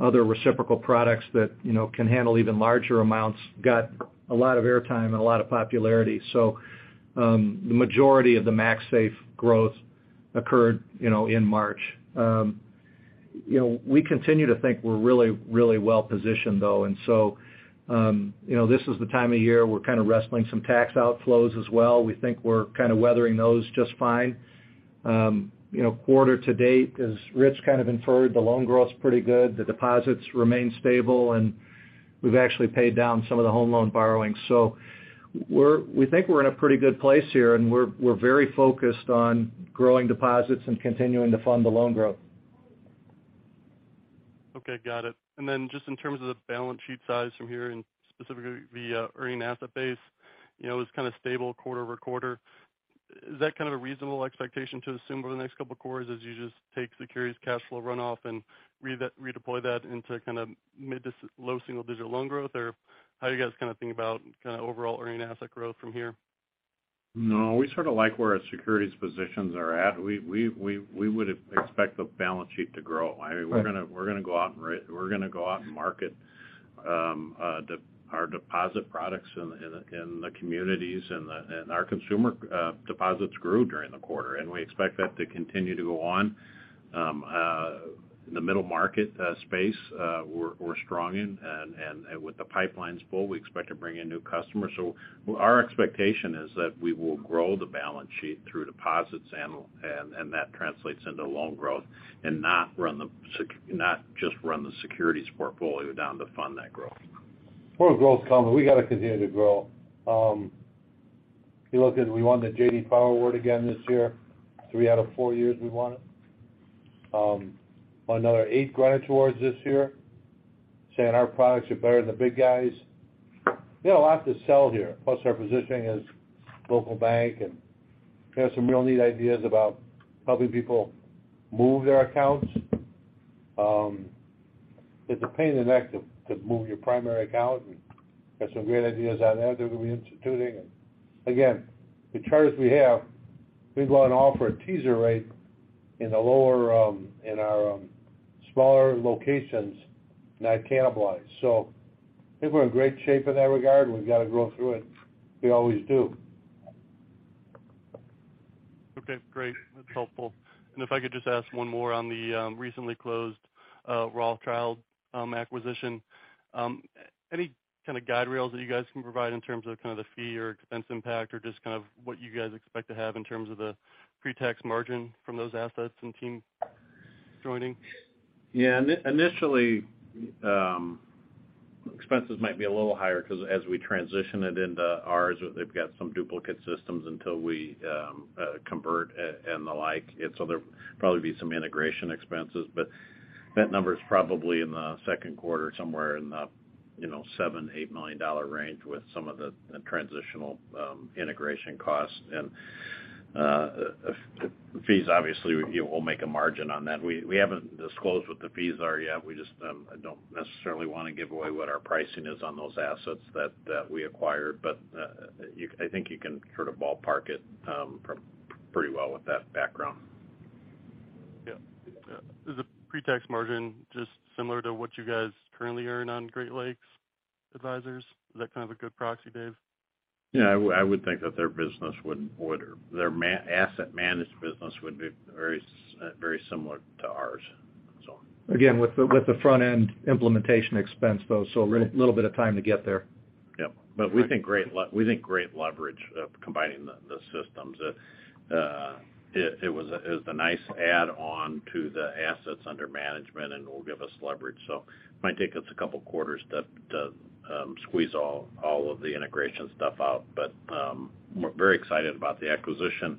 other reciprocal products that, you know, can handle even larger amounts got a lot of airtime and a lot of popularity. The majority of the MaxSafe growth occurred, you know, in March. We continue to think we're really, really well positioned though. This is the time of year we're kind of wrestling some tax outflows as well. We think we're kind of weathering those just fine. Quarter to date, as Rich kind of inferred, the loan growth's pretty good. The deposits remain stable, and we've actually paid down some of the home loan borrowings. We think we're in a pretty good place here, and we're very focused on growing deposits and continuing to fund the loan growth. Okay. Got it. Then just in terms of the balance sheet size from here and specifically the earning asset base, you know, it was kind of stable quarter-over-quarter. Is that kind of a reasonable expectation to assume over the next couple of quarters as you just take securities cash flow runoff and redeploy that into kind of mid to low single digit loan growth? Or how do you guys kind of think about kind of overall earning asset growth from here? No, we sort of like where our securities positions are at. We expect the balance sheet to grow. I mean. Right. We're gonna go out and market our deposit products in the communities. Our consumer deposits grew during the quarter, and we expect that to continue to go on. In the middle market space, we're strong in. With the pipelines full, we expect to bring in new customers. Our expectation is that we will grow the balance sheet through deposits and that translates into loan growth and not just run the securities portfolio down to fund that growth. For growth coming, we got to continue to grow. If you look at it, we won the J.D. Power Award again this year. Three out of four years we've won it. Won another eight Greenwich Awards this year saying our products are better than the big guys. We have a lot to sell here, plus our positioning as local bank. We have some real neat ideas about helping people move their accounts. It's a pain in the neck to move your primary account, and got some great ideas on that that we'll be instituting. Again, the charters we have, we go and offer a teaser rate in the lower, in our, smaller locations, not cannibalized. I think we're in great shape in that regard, and we've got to grow through it. We always do. Okay, great. That's helpful. If I could just ask one more on the recently closed Rothschild acquisition. Any kind of guide rails that you guys can provide in terms of kind of the fee or expense impact or just kind of what you guys expect to have in terms of the pre-tax margin from those assets and team joining? Yeah. Initially, expenses might be a little higher because as we transition it into ours, they've got some duplicate systems until we convert and the like. So there'll probably be some integration expenses, but that number is probably in the second quarter, somewhere in the, you know, $7 million-$8 million range with some of the transitional integration costs. Fees, obviously it will make a margin on that. We haven't disclosed what the fees are yet. We just don't necessarily want to give away what our pricing is on those assets that we acquired. I think you can sort of ballpark it from pretty well with that background. Yeah. Yeah. Is the pre-tax margin just similar to what you guys currently earn on Great Lakes Advisors? Is that kind of a good proxy, Dave? Yeah. I would think that their business would or their asset managed business would be very similar to ours, so. Again, with the front end implementation expense, though, so a little bit of time to get there. Yeah. We think great leverage of combining the systems. It was a nice add on to the assets under management and will give us leverage. It might take us a couple quarters to squeeze all of the integration stuff out. We're very excited about the acquisition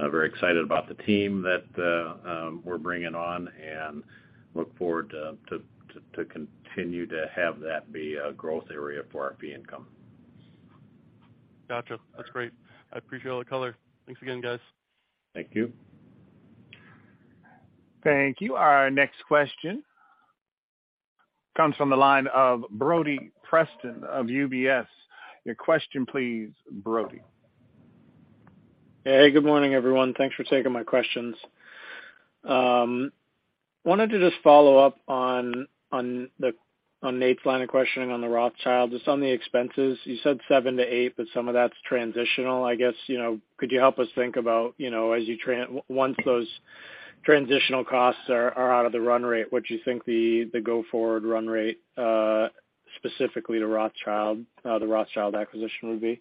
I'm very excited about the team that we're bringing on and look forward to continue to have that be a growth area for fee income. Gotcha. That's great. I appreciate all the color. Thanks again, guys. Thank you. Thank you. Our next question comes from the line of Brody Preston of UBS. Your question, please, Brody. Hey, good morning, everyone. Thanks for taking my questions. wanted to just follow up on Nate's line of questioning on the Rothschild, just on the expenses. You said seven to eight, but some of that's transitional. I guess, you know, could you help us think about, you know, once those transitional costs are out of the run rate, what do you think the go-forward run rate, specifically to Rothschild, the Rothschild acquisition would be?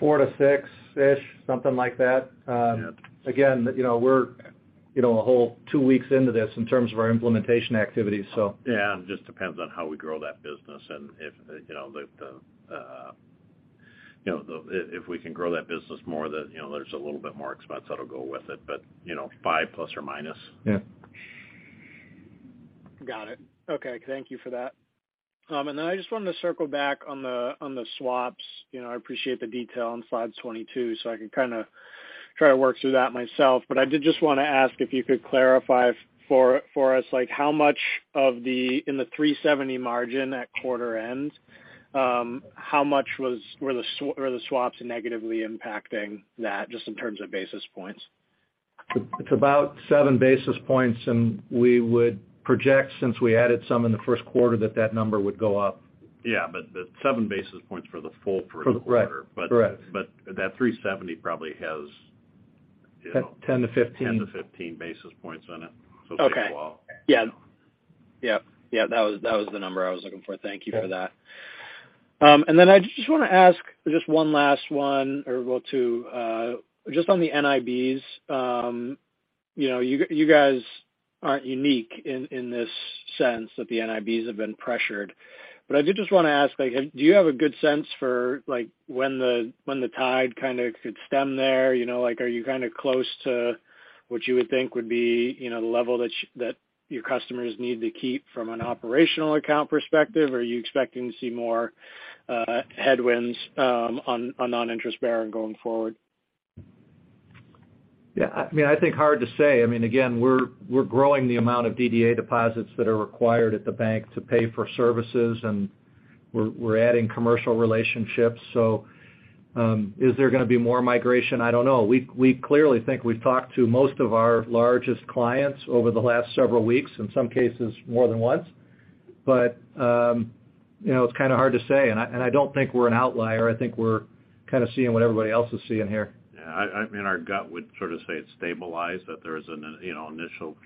4- to 6-ish, something like that. Yeah. Again, you know, we're, you know, a whole two weeks into this in terms of our implementation activities, so. Yeah. It just depends on how we grow that business and if, you know, if we can grow that business more, then, you know, there's a little bit more expense that'll go with it. You know, 5±. Got it. Okay. Thank you for that. I just wanted to circle back on the, on the swaps. You know, I appreciate the detail on slide 22, so I can kind of try to work through that myself. I did just want to ask if you could clarify for us, like, how much of the in the 370 margin at quarter end, how much were the swaps negatively impacting that just in terms of basis points? It's about 7 basis points, and we would project, since we added some in the first quarter, that that number would go up. Yeah, the 7 basis points were the full first quarter. For the. Right. Correct. That 370 probably has, you know- 10-15.... 10-15 basis points in it. Okay. Yeah. Yep. Yeah, that was, that was the number I was looking for. Thank you for that. I just want to ask just one last one or well, two. Just on the NIBs, you know, you guys aren't unique in this sense that the NIBs have been pressured. I did just want to ask, like, do you have a good sense for, like, when the, when the tide kind of could stem there? You know, like, are you kind of close to what you would think would be, you know, the level that your customers need to keep from an operational account perspective? Are you expecting to see more headwinds on non-interest bearing going forward? Yeah, I mean, I think hard to say. I mean, again, we're growing the amount of DDA deposits that are required at the bank to pay for services, and we're adding commercial relationships. Is there going to be more migration? I don't know. We, we clearly think we've talked to most of our largest clients over the last several weeks, in some cases more than once. you know, it's kind of hard to say, and I don't think we're an outlier. I think we're kind of seeing what everybody else is seeing here. Yeah. Our gut would sort of say it's stabilized, that there is an, you know, initial...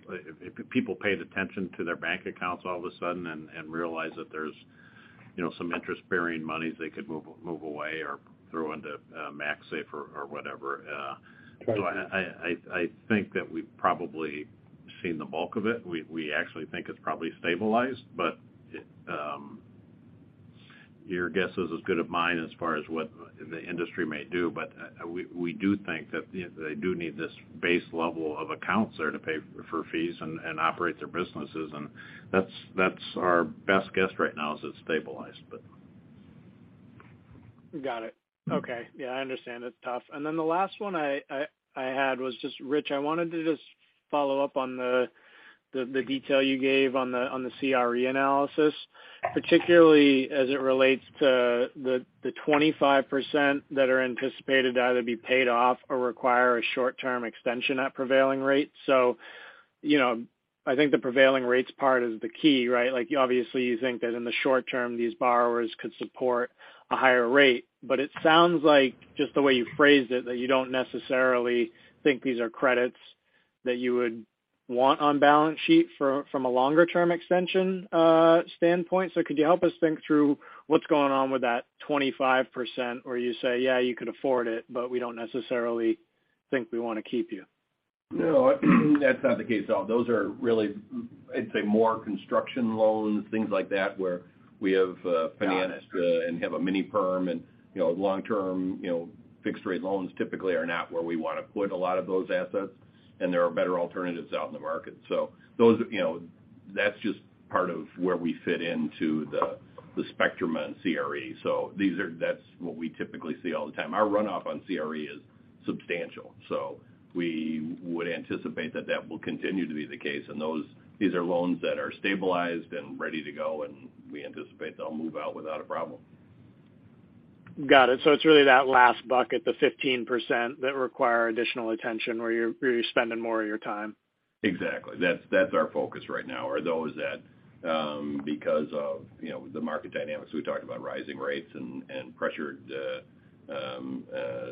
If people paid attention to their bank accounts all of a sudden and realize that there's, you know, some interest-bearing monies they could move away or throw into a MaxSafe or whatever. Right. I think that we've probably seen the bulk of it. We actually think it's probably stabilized, but your guess is as good as mine as far as what the industry may do. We do think that they do need this base level of accounts there to pay for fees and operate their businesses. That's our best guess right now is it's stabilized, but... Got it. Okay. Yeah, I understand. It's tough. The last one I had was just, Rich, I wanted to just follow up on the detail you gave on the CRE analysis, particularly as it relates to the 25% that are anticipated to either be paid off or require a short-term extension at prevailing rates. You know, I think the prevailing rates part is the key, right? Like, obviously, you think that in the short term, these borrowers could support a higher rate. It sounds like, just the way you phrased it, that you don't necessarily think these are credits that you would want on balance sheet from a longer-term extension standpoint. Could you help us think through what's going on with that 25% where you say, "Yeah, you could afford it, but we don't necessarily think we want to keep you"? No, that's not the case at all. Those are really, I'd say, more construction loans, things like that, where we have- Got it. have a mini perm. You know, long-term, you know, fixed rate loans typically are not where we want to put a lot of those assets, and there are better alternatives out in the market. Those are, you know, that's just part of where we fit into the spectrum on CRE. That's what we typically see all the time. Our runoff on CRE is substantial, so we would anticipate that that will continue to be the case. These are loans that are stabilized and ready to go, and we anticipate they'll move out without a problem. Got it. It's really that last bucket, the 15% that require additional attention, where you're spending more of your time. Exactly. That's our focus right now, are those that, because of, you know, the market dynamics, we talked about rising rates and pressured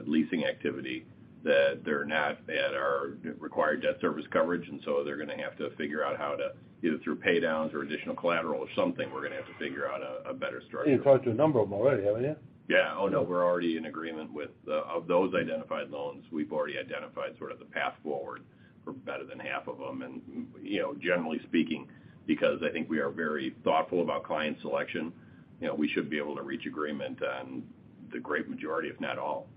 leasing activity, that they're not at our required debt service coverage. They're gonna have to figure out how to, either through pay downs or additional collateral or something, we're gonna have to figure out a better structure. You've talked to a number of them already, haven't you? Yeah. Oh, no, we're already in agreement with, of those identified loans, we've already identified sort of the path forward for better than half of them. You know, generally speaking, because I think we are very thoughtful about client selection. You know, we should be able to reach agreement on the great majority, if not all.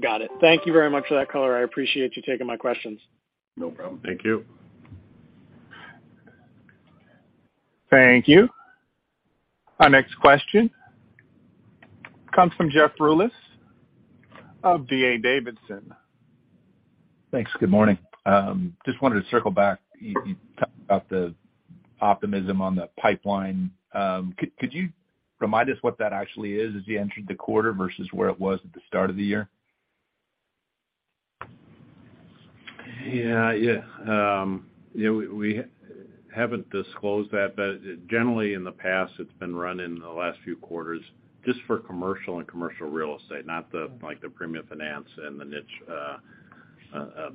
Got it. Thank you very much for that color. I appreciate you taking my questions. No problem. Thank you. Thank you. Our next question comes from Jeff Rulis of D.A. Davidson. Thanks. Good morning. Just wanted to circle back. You talked about the optimism on the pipeline. Could you remind us what that actually is as you entered the quarter versus where it was at the start of the year? Yeah. Yeah. You know, we haven't disclosed that, but generally in the past, it's been run in the last few quarters just for commercial and commercial real estate, not the, like, the premium finance and the niche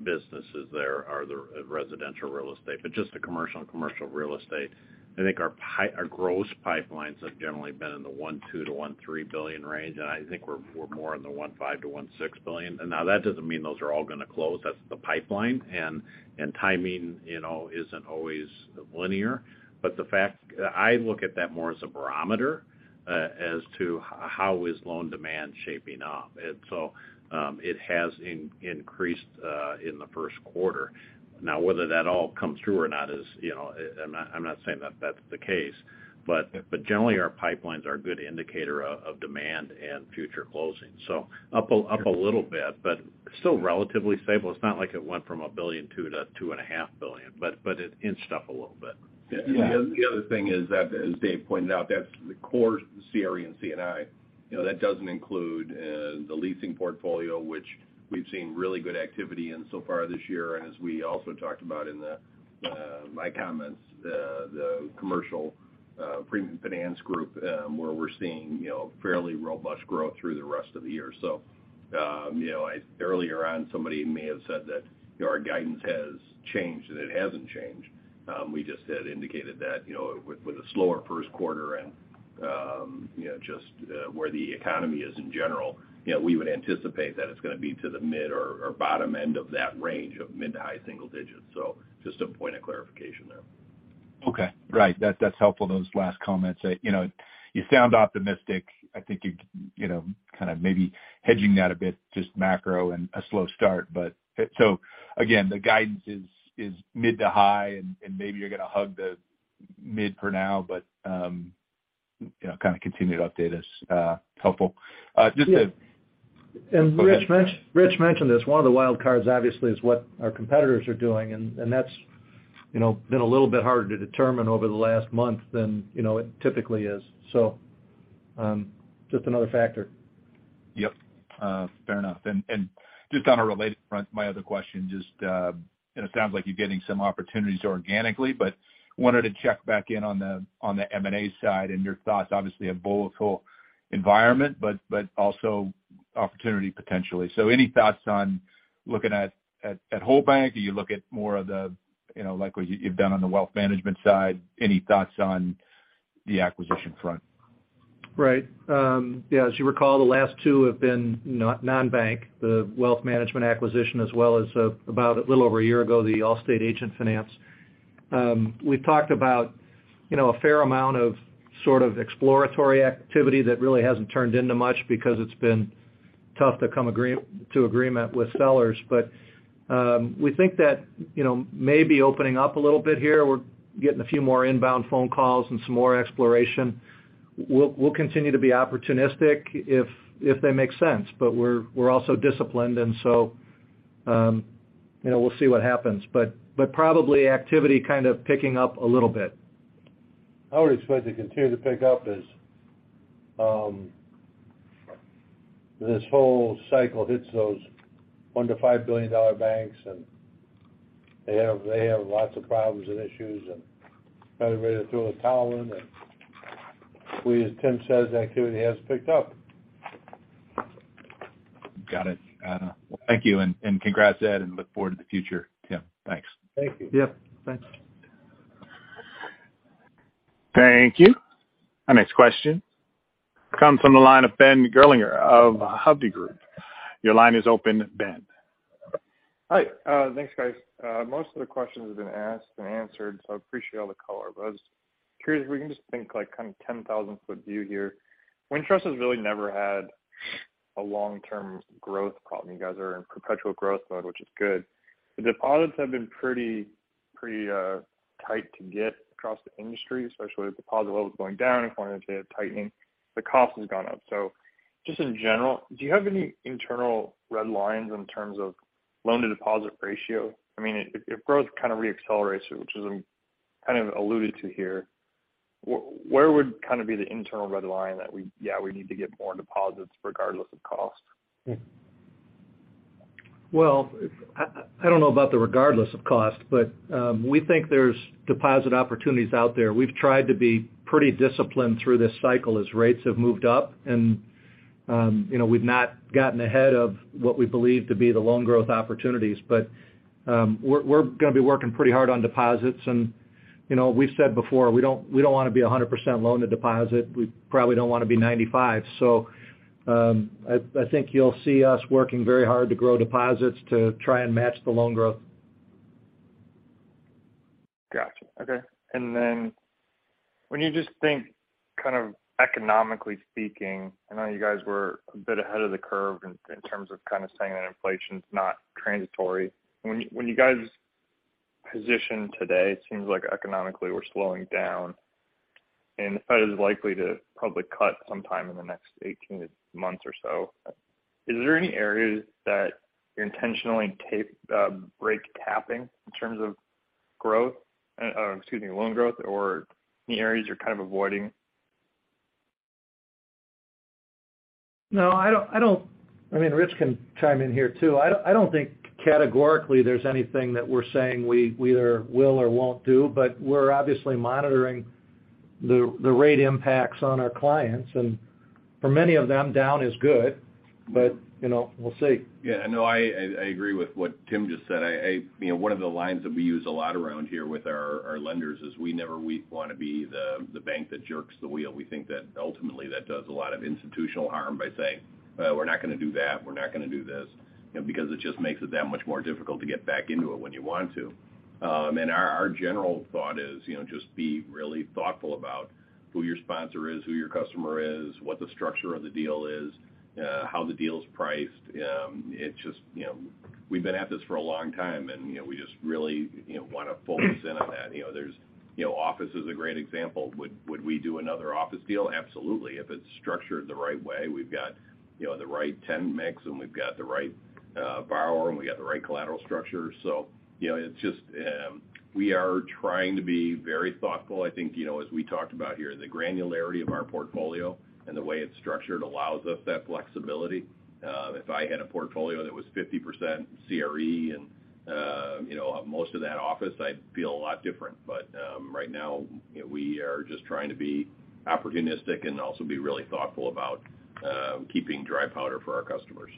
businesses there or the residential real estate, but just the commercial and commercial real estate. I think our gross pipelines have generally been in the $1.2 billion-$1.3 billion range, and I think we're more in the $1.5 billion-$1.6 billion. Now that doesn't mean those are all gonna close. That's the pipeline. And timing, you know, isn't always linear. But the fact I look at that more as a barometer as to how is loan demand shaping up. It has increased in the first quarter. Whether that all comes through or not is, you know, I'm not saying that that's the case, but generally, our pipelines are a good indicator of demand and future closing. Up a little bit, but still relatively stable. It's not like it went from $1.2 billion-$2.5 billion, but it inched up a little bit. Yeah. The other thing is that, as Dave pointed out, that's the core CRE and C&I. You know, that doesn't include the leasing portfolio, which we've seen really good activity in so far this year. As we also talked about in my comments, the commercial premium finance group, where we're seeing, you know, fairly robust growth through the rest of the year. Earlier on, somebody may have said that, you know, our guidance has changed, and it hasn't changed. We just had indicated that, you know, with a slower first quarter and, you know, just where the economy is in general, you know, we would anticipate that it's gonna be to the mid or bottom end of that range of mid to high single digits. Just a point of clarification there. Okay. Right. That, that's helpful, those last comments. You know, you sound optimistic. I think you're, you know, kind of maybe hedging that a bit, just macro and a slow start. Again, the guidance is mid to high, and maybe you're gonna hug the mid for now, but, you know, kind of continue to update us, helpful. Yeah. Go ahead. Rich mentioned this, one of the wild cards obviously is what our competitors are doing, and that's, you know, been a little bit harder to determine over the last month than, you know, it typically is. Just another factor. Yep. Fair enough. Just on a related front, my other question, just, and it sounds like you're getting some opportunities organically, but wanted to check back in on the M&A side and your thoughts. Obviously a volatile environment, but also opportunity potentially. Any thoughts on looking at whole bank? Do you look at more of the, you know, like what you've done on the wealth management side? Any thoughts on the acquisition front? Right. Yeah, as you recall, the last two have been non-bank, the wealth management acquisition as well as about a little over a year ago, the Wintrust Specialty Finance. We've talked about, you know, a fair amount of sort of exploratory activity that really hasn't turned into much because it's been tough to come to agreement with sellers. We think that, you know, maybe opening up a little bit here, we're getting a few more inbound phone calls and some more exploration. We'll continue to be opportunistic if they make sense, but we're also disciplined and so, you know, we'll see what happens. Probably activity kind of picking up a little bit. I would expect to continue to pick up as, this whole cycle hits those $1 billion-$5 billion banks, and they have lots of problems and issues and kind of ready to throw in the towel in. We, as Tim says, activity has picked up. Got it. Well, thank you. Congrats, Ed, and look forward to the future, Tim. Thanks. Thank you. Yep. Thanks. Thank you. Our next question comes from the line of Ben Gerlinger of Hovde Group. Your line is open, Ben. Hi. Thanks, guys. Most of the questions have been asked and answered, so I appreciate all the color. I was curious if we can just think, like, kind of 10,000-foot view here. Wintrust has really never had a long-term growth problem. You guys are in perpetual growth mode, which is good. The deposits have been pretty tight to get across the industry, especially with deposit levels going down and quantitative tightening. The cost has gone up. Just in general, do you have any internal red lines in terms of loan to deposit ratio? I mean, if growth kind of re-accelerates, which is kind of alluded to here, where would kind of be the internal red line that we need to get more deposits regardless of cost? I don't know about the regardless of cost, but we think there's deposit opportunities out there. We've tried to be pretty disciplined through this cycle as rates have moved up. You know, we've not gotten ahead of what we believe to be the loan growth opportunities. We're gonna be working pretty hard on deposits and, you know, we've said before, we don't, we don't wanna be a 100% loan to deposit. We probably don't wanna be 95%. I think you'll see us working very hard to grow deposits to try and match the loan growth. Gotcha. Okay. Then when you just think kind of economically speaking, I know you guys were a bit ahead of the curve in terms of kind of saying that inflation's not transitory. When you guys position today, it seems like economically we're slowing down, and the Fed is likely to probably cut sometime in the next 18 months or so. Is there any areas that you're intentionally brake tapping in terms of growth, excuse me, loan growth or any areas you're kind of avoiding? No, I don't. I mean, Rich can chime in here too. I don't think categorically there's anything that we're saying we either will or won't do. We're obviously monitoring the rate impacts on our clients. For many of them, down is good. You know, we'll see. Yeah. No, I agree with what Tim just said. I, you know, one of the lines that we use a lot around here with our lenders is we wanna be the bank that jerks the wheel. We think that ultimately that does a lot of institutional harm by saying, "We're not gonna do that, we're not gonna do this." You know, because it just makes it that much more difficult to get back into it when you want to. Our general thought is, you know, just be really thoughtful about who your sponsor is, who your customer is, what the structure of the deal is, how the deal is priced. It's just, you know, we've been at this for a long time and, you know, we just really, you know, wanna focus in on that. You know, there's, you know, office is a great example. Would we do another office deal? Absolutely. If it's structured the right way, we've got, you know, the right ten mix and we've got the right borrower, and we've got the right collateral structure. You know, it's just, we are trying to be very thoughtful. I think, you know, as we talked about here, the granularity of our portfolio and the way it's structured allows us that flexibility. If I had a portfolio that was 50% CRE and, you know, most of that office, I'd feel a lot different. Right now, you know, we are just trying to be opportunistic and also be really thoughtful about keeping dry powder for our customers.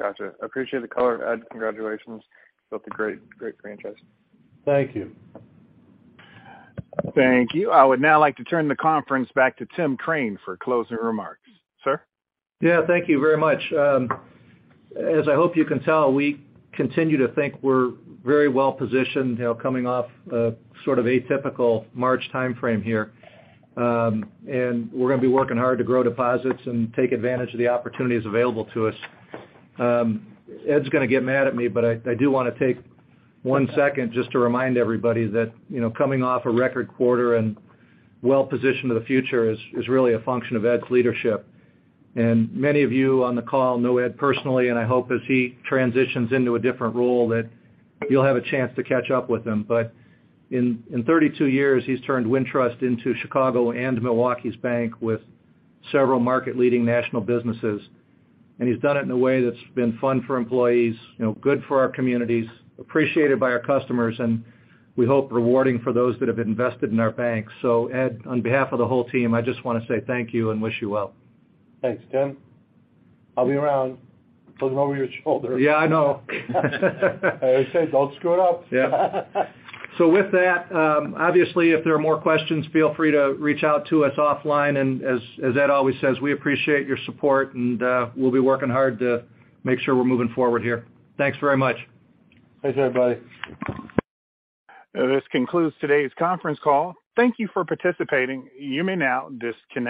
Gotcha. I appreciate the color, Ed. Congratulations. Built a great franchise. Thank you. Thank you. I would now like to turn the conference back to Tim Crane for closing remarks. Sir? Yeah. Thank you very much. As I hope you can tell, we continue to think we're very well positioned, you know, coming off a sort of atypical March timeframe here. We're gonna be working hard to grow deposits and take advantage of the opportunities available to us. Ed's gonna get mad at me, but I do wanna take one second just to remind everybody that, you know, coming off a record quarter and well-positioned to the future is really a function of Ed's leadership. Many of you on the call know Ed personally, and I hope as he transitions into a different role, that you'll have a chance to catch up with him. In 32 years, he's turned Wintrust into Chicago and Milwaukee's bank with several market-leading national businesses. He's done it in a way that's been fun for employees, you know, good for our communities, appreciated by our customers, and we hope rewarding for those that have invested in our bank. Ed, on behalf of the whole team, I just wanna say thank you and wish you well. Thanks, Tim. I'll be around. Looking over your shoulder. Yeah, I know. I always say, "Don't screw it up. Yeah. With that, obviously, if there are more questions, feel free to reach out to us offline. As, as Ed always says, we appreciate your support and, we'll be working hard to make sure we're moving forward here. Thanks very much. Thanks, everybody. This concludes today's conference call. Thank you for participating. You may now disconnect.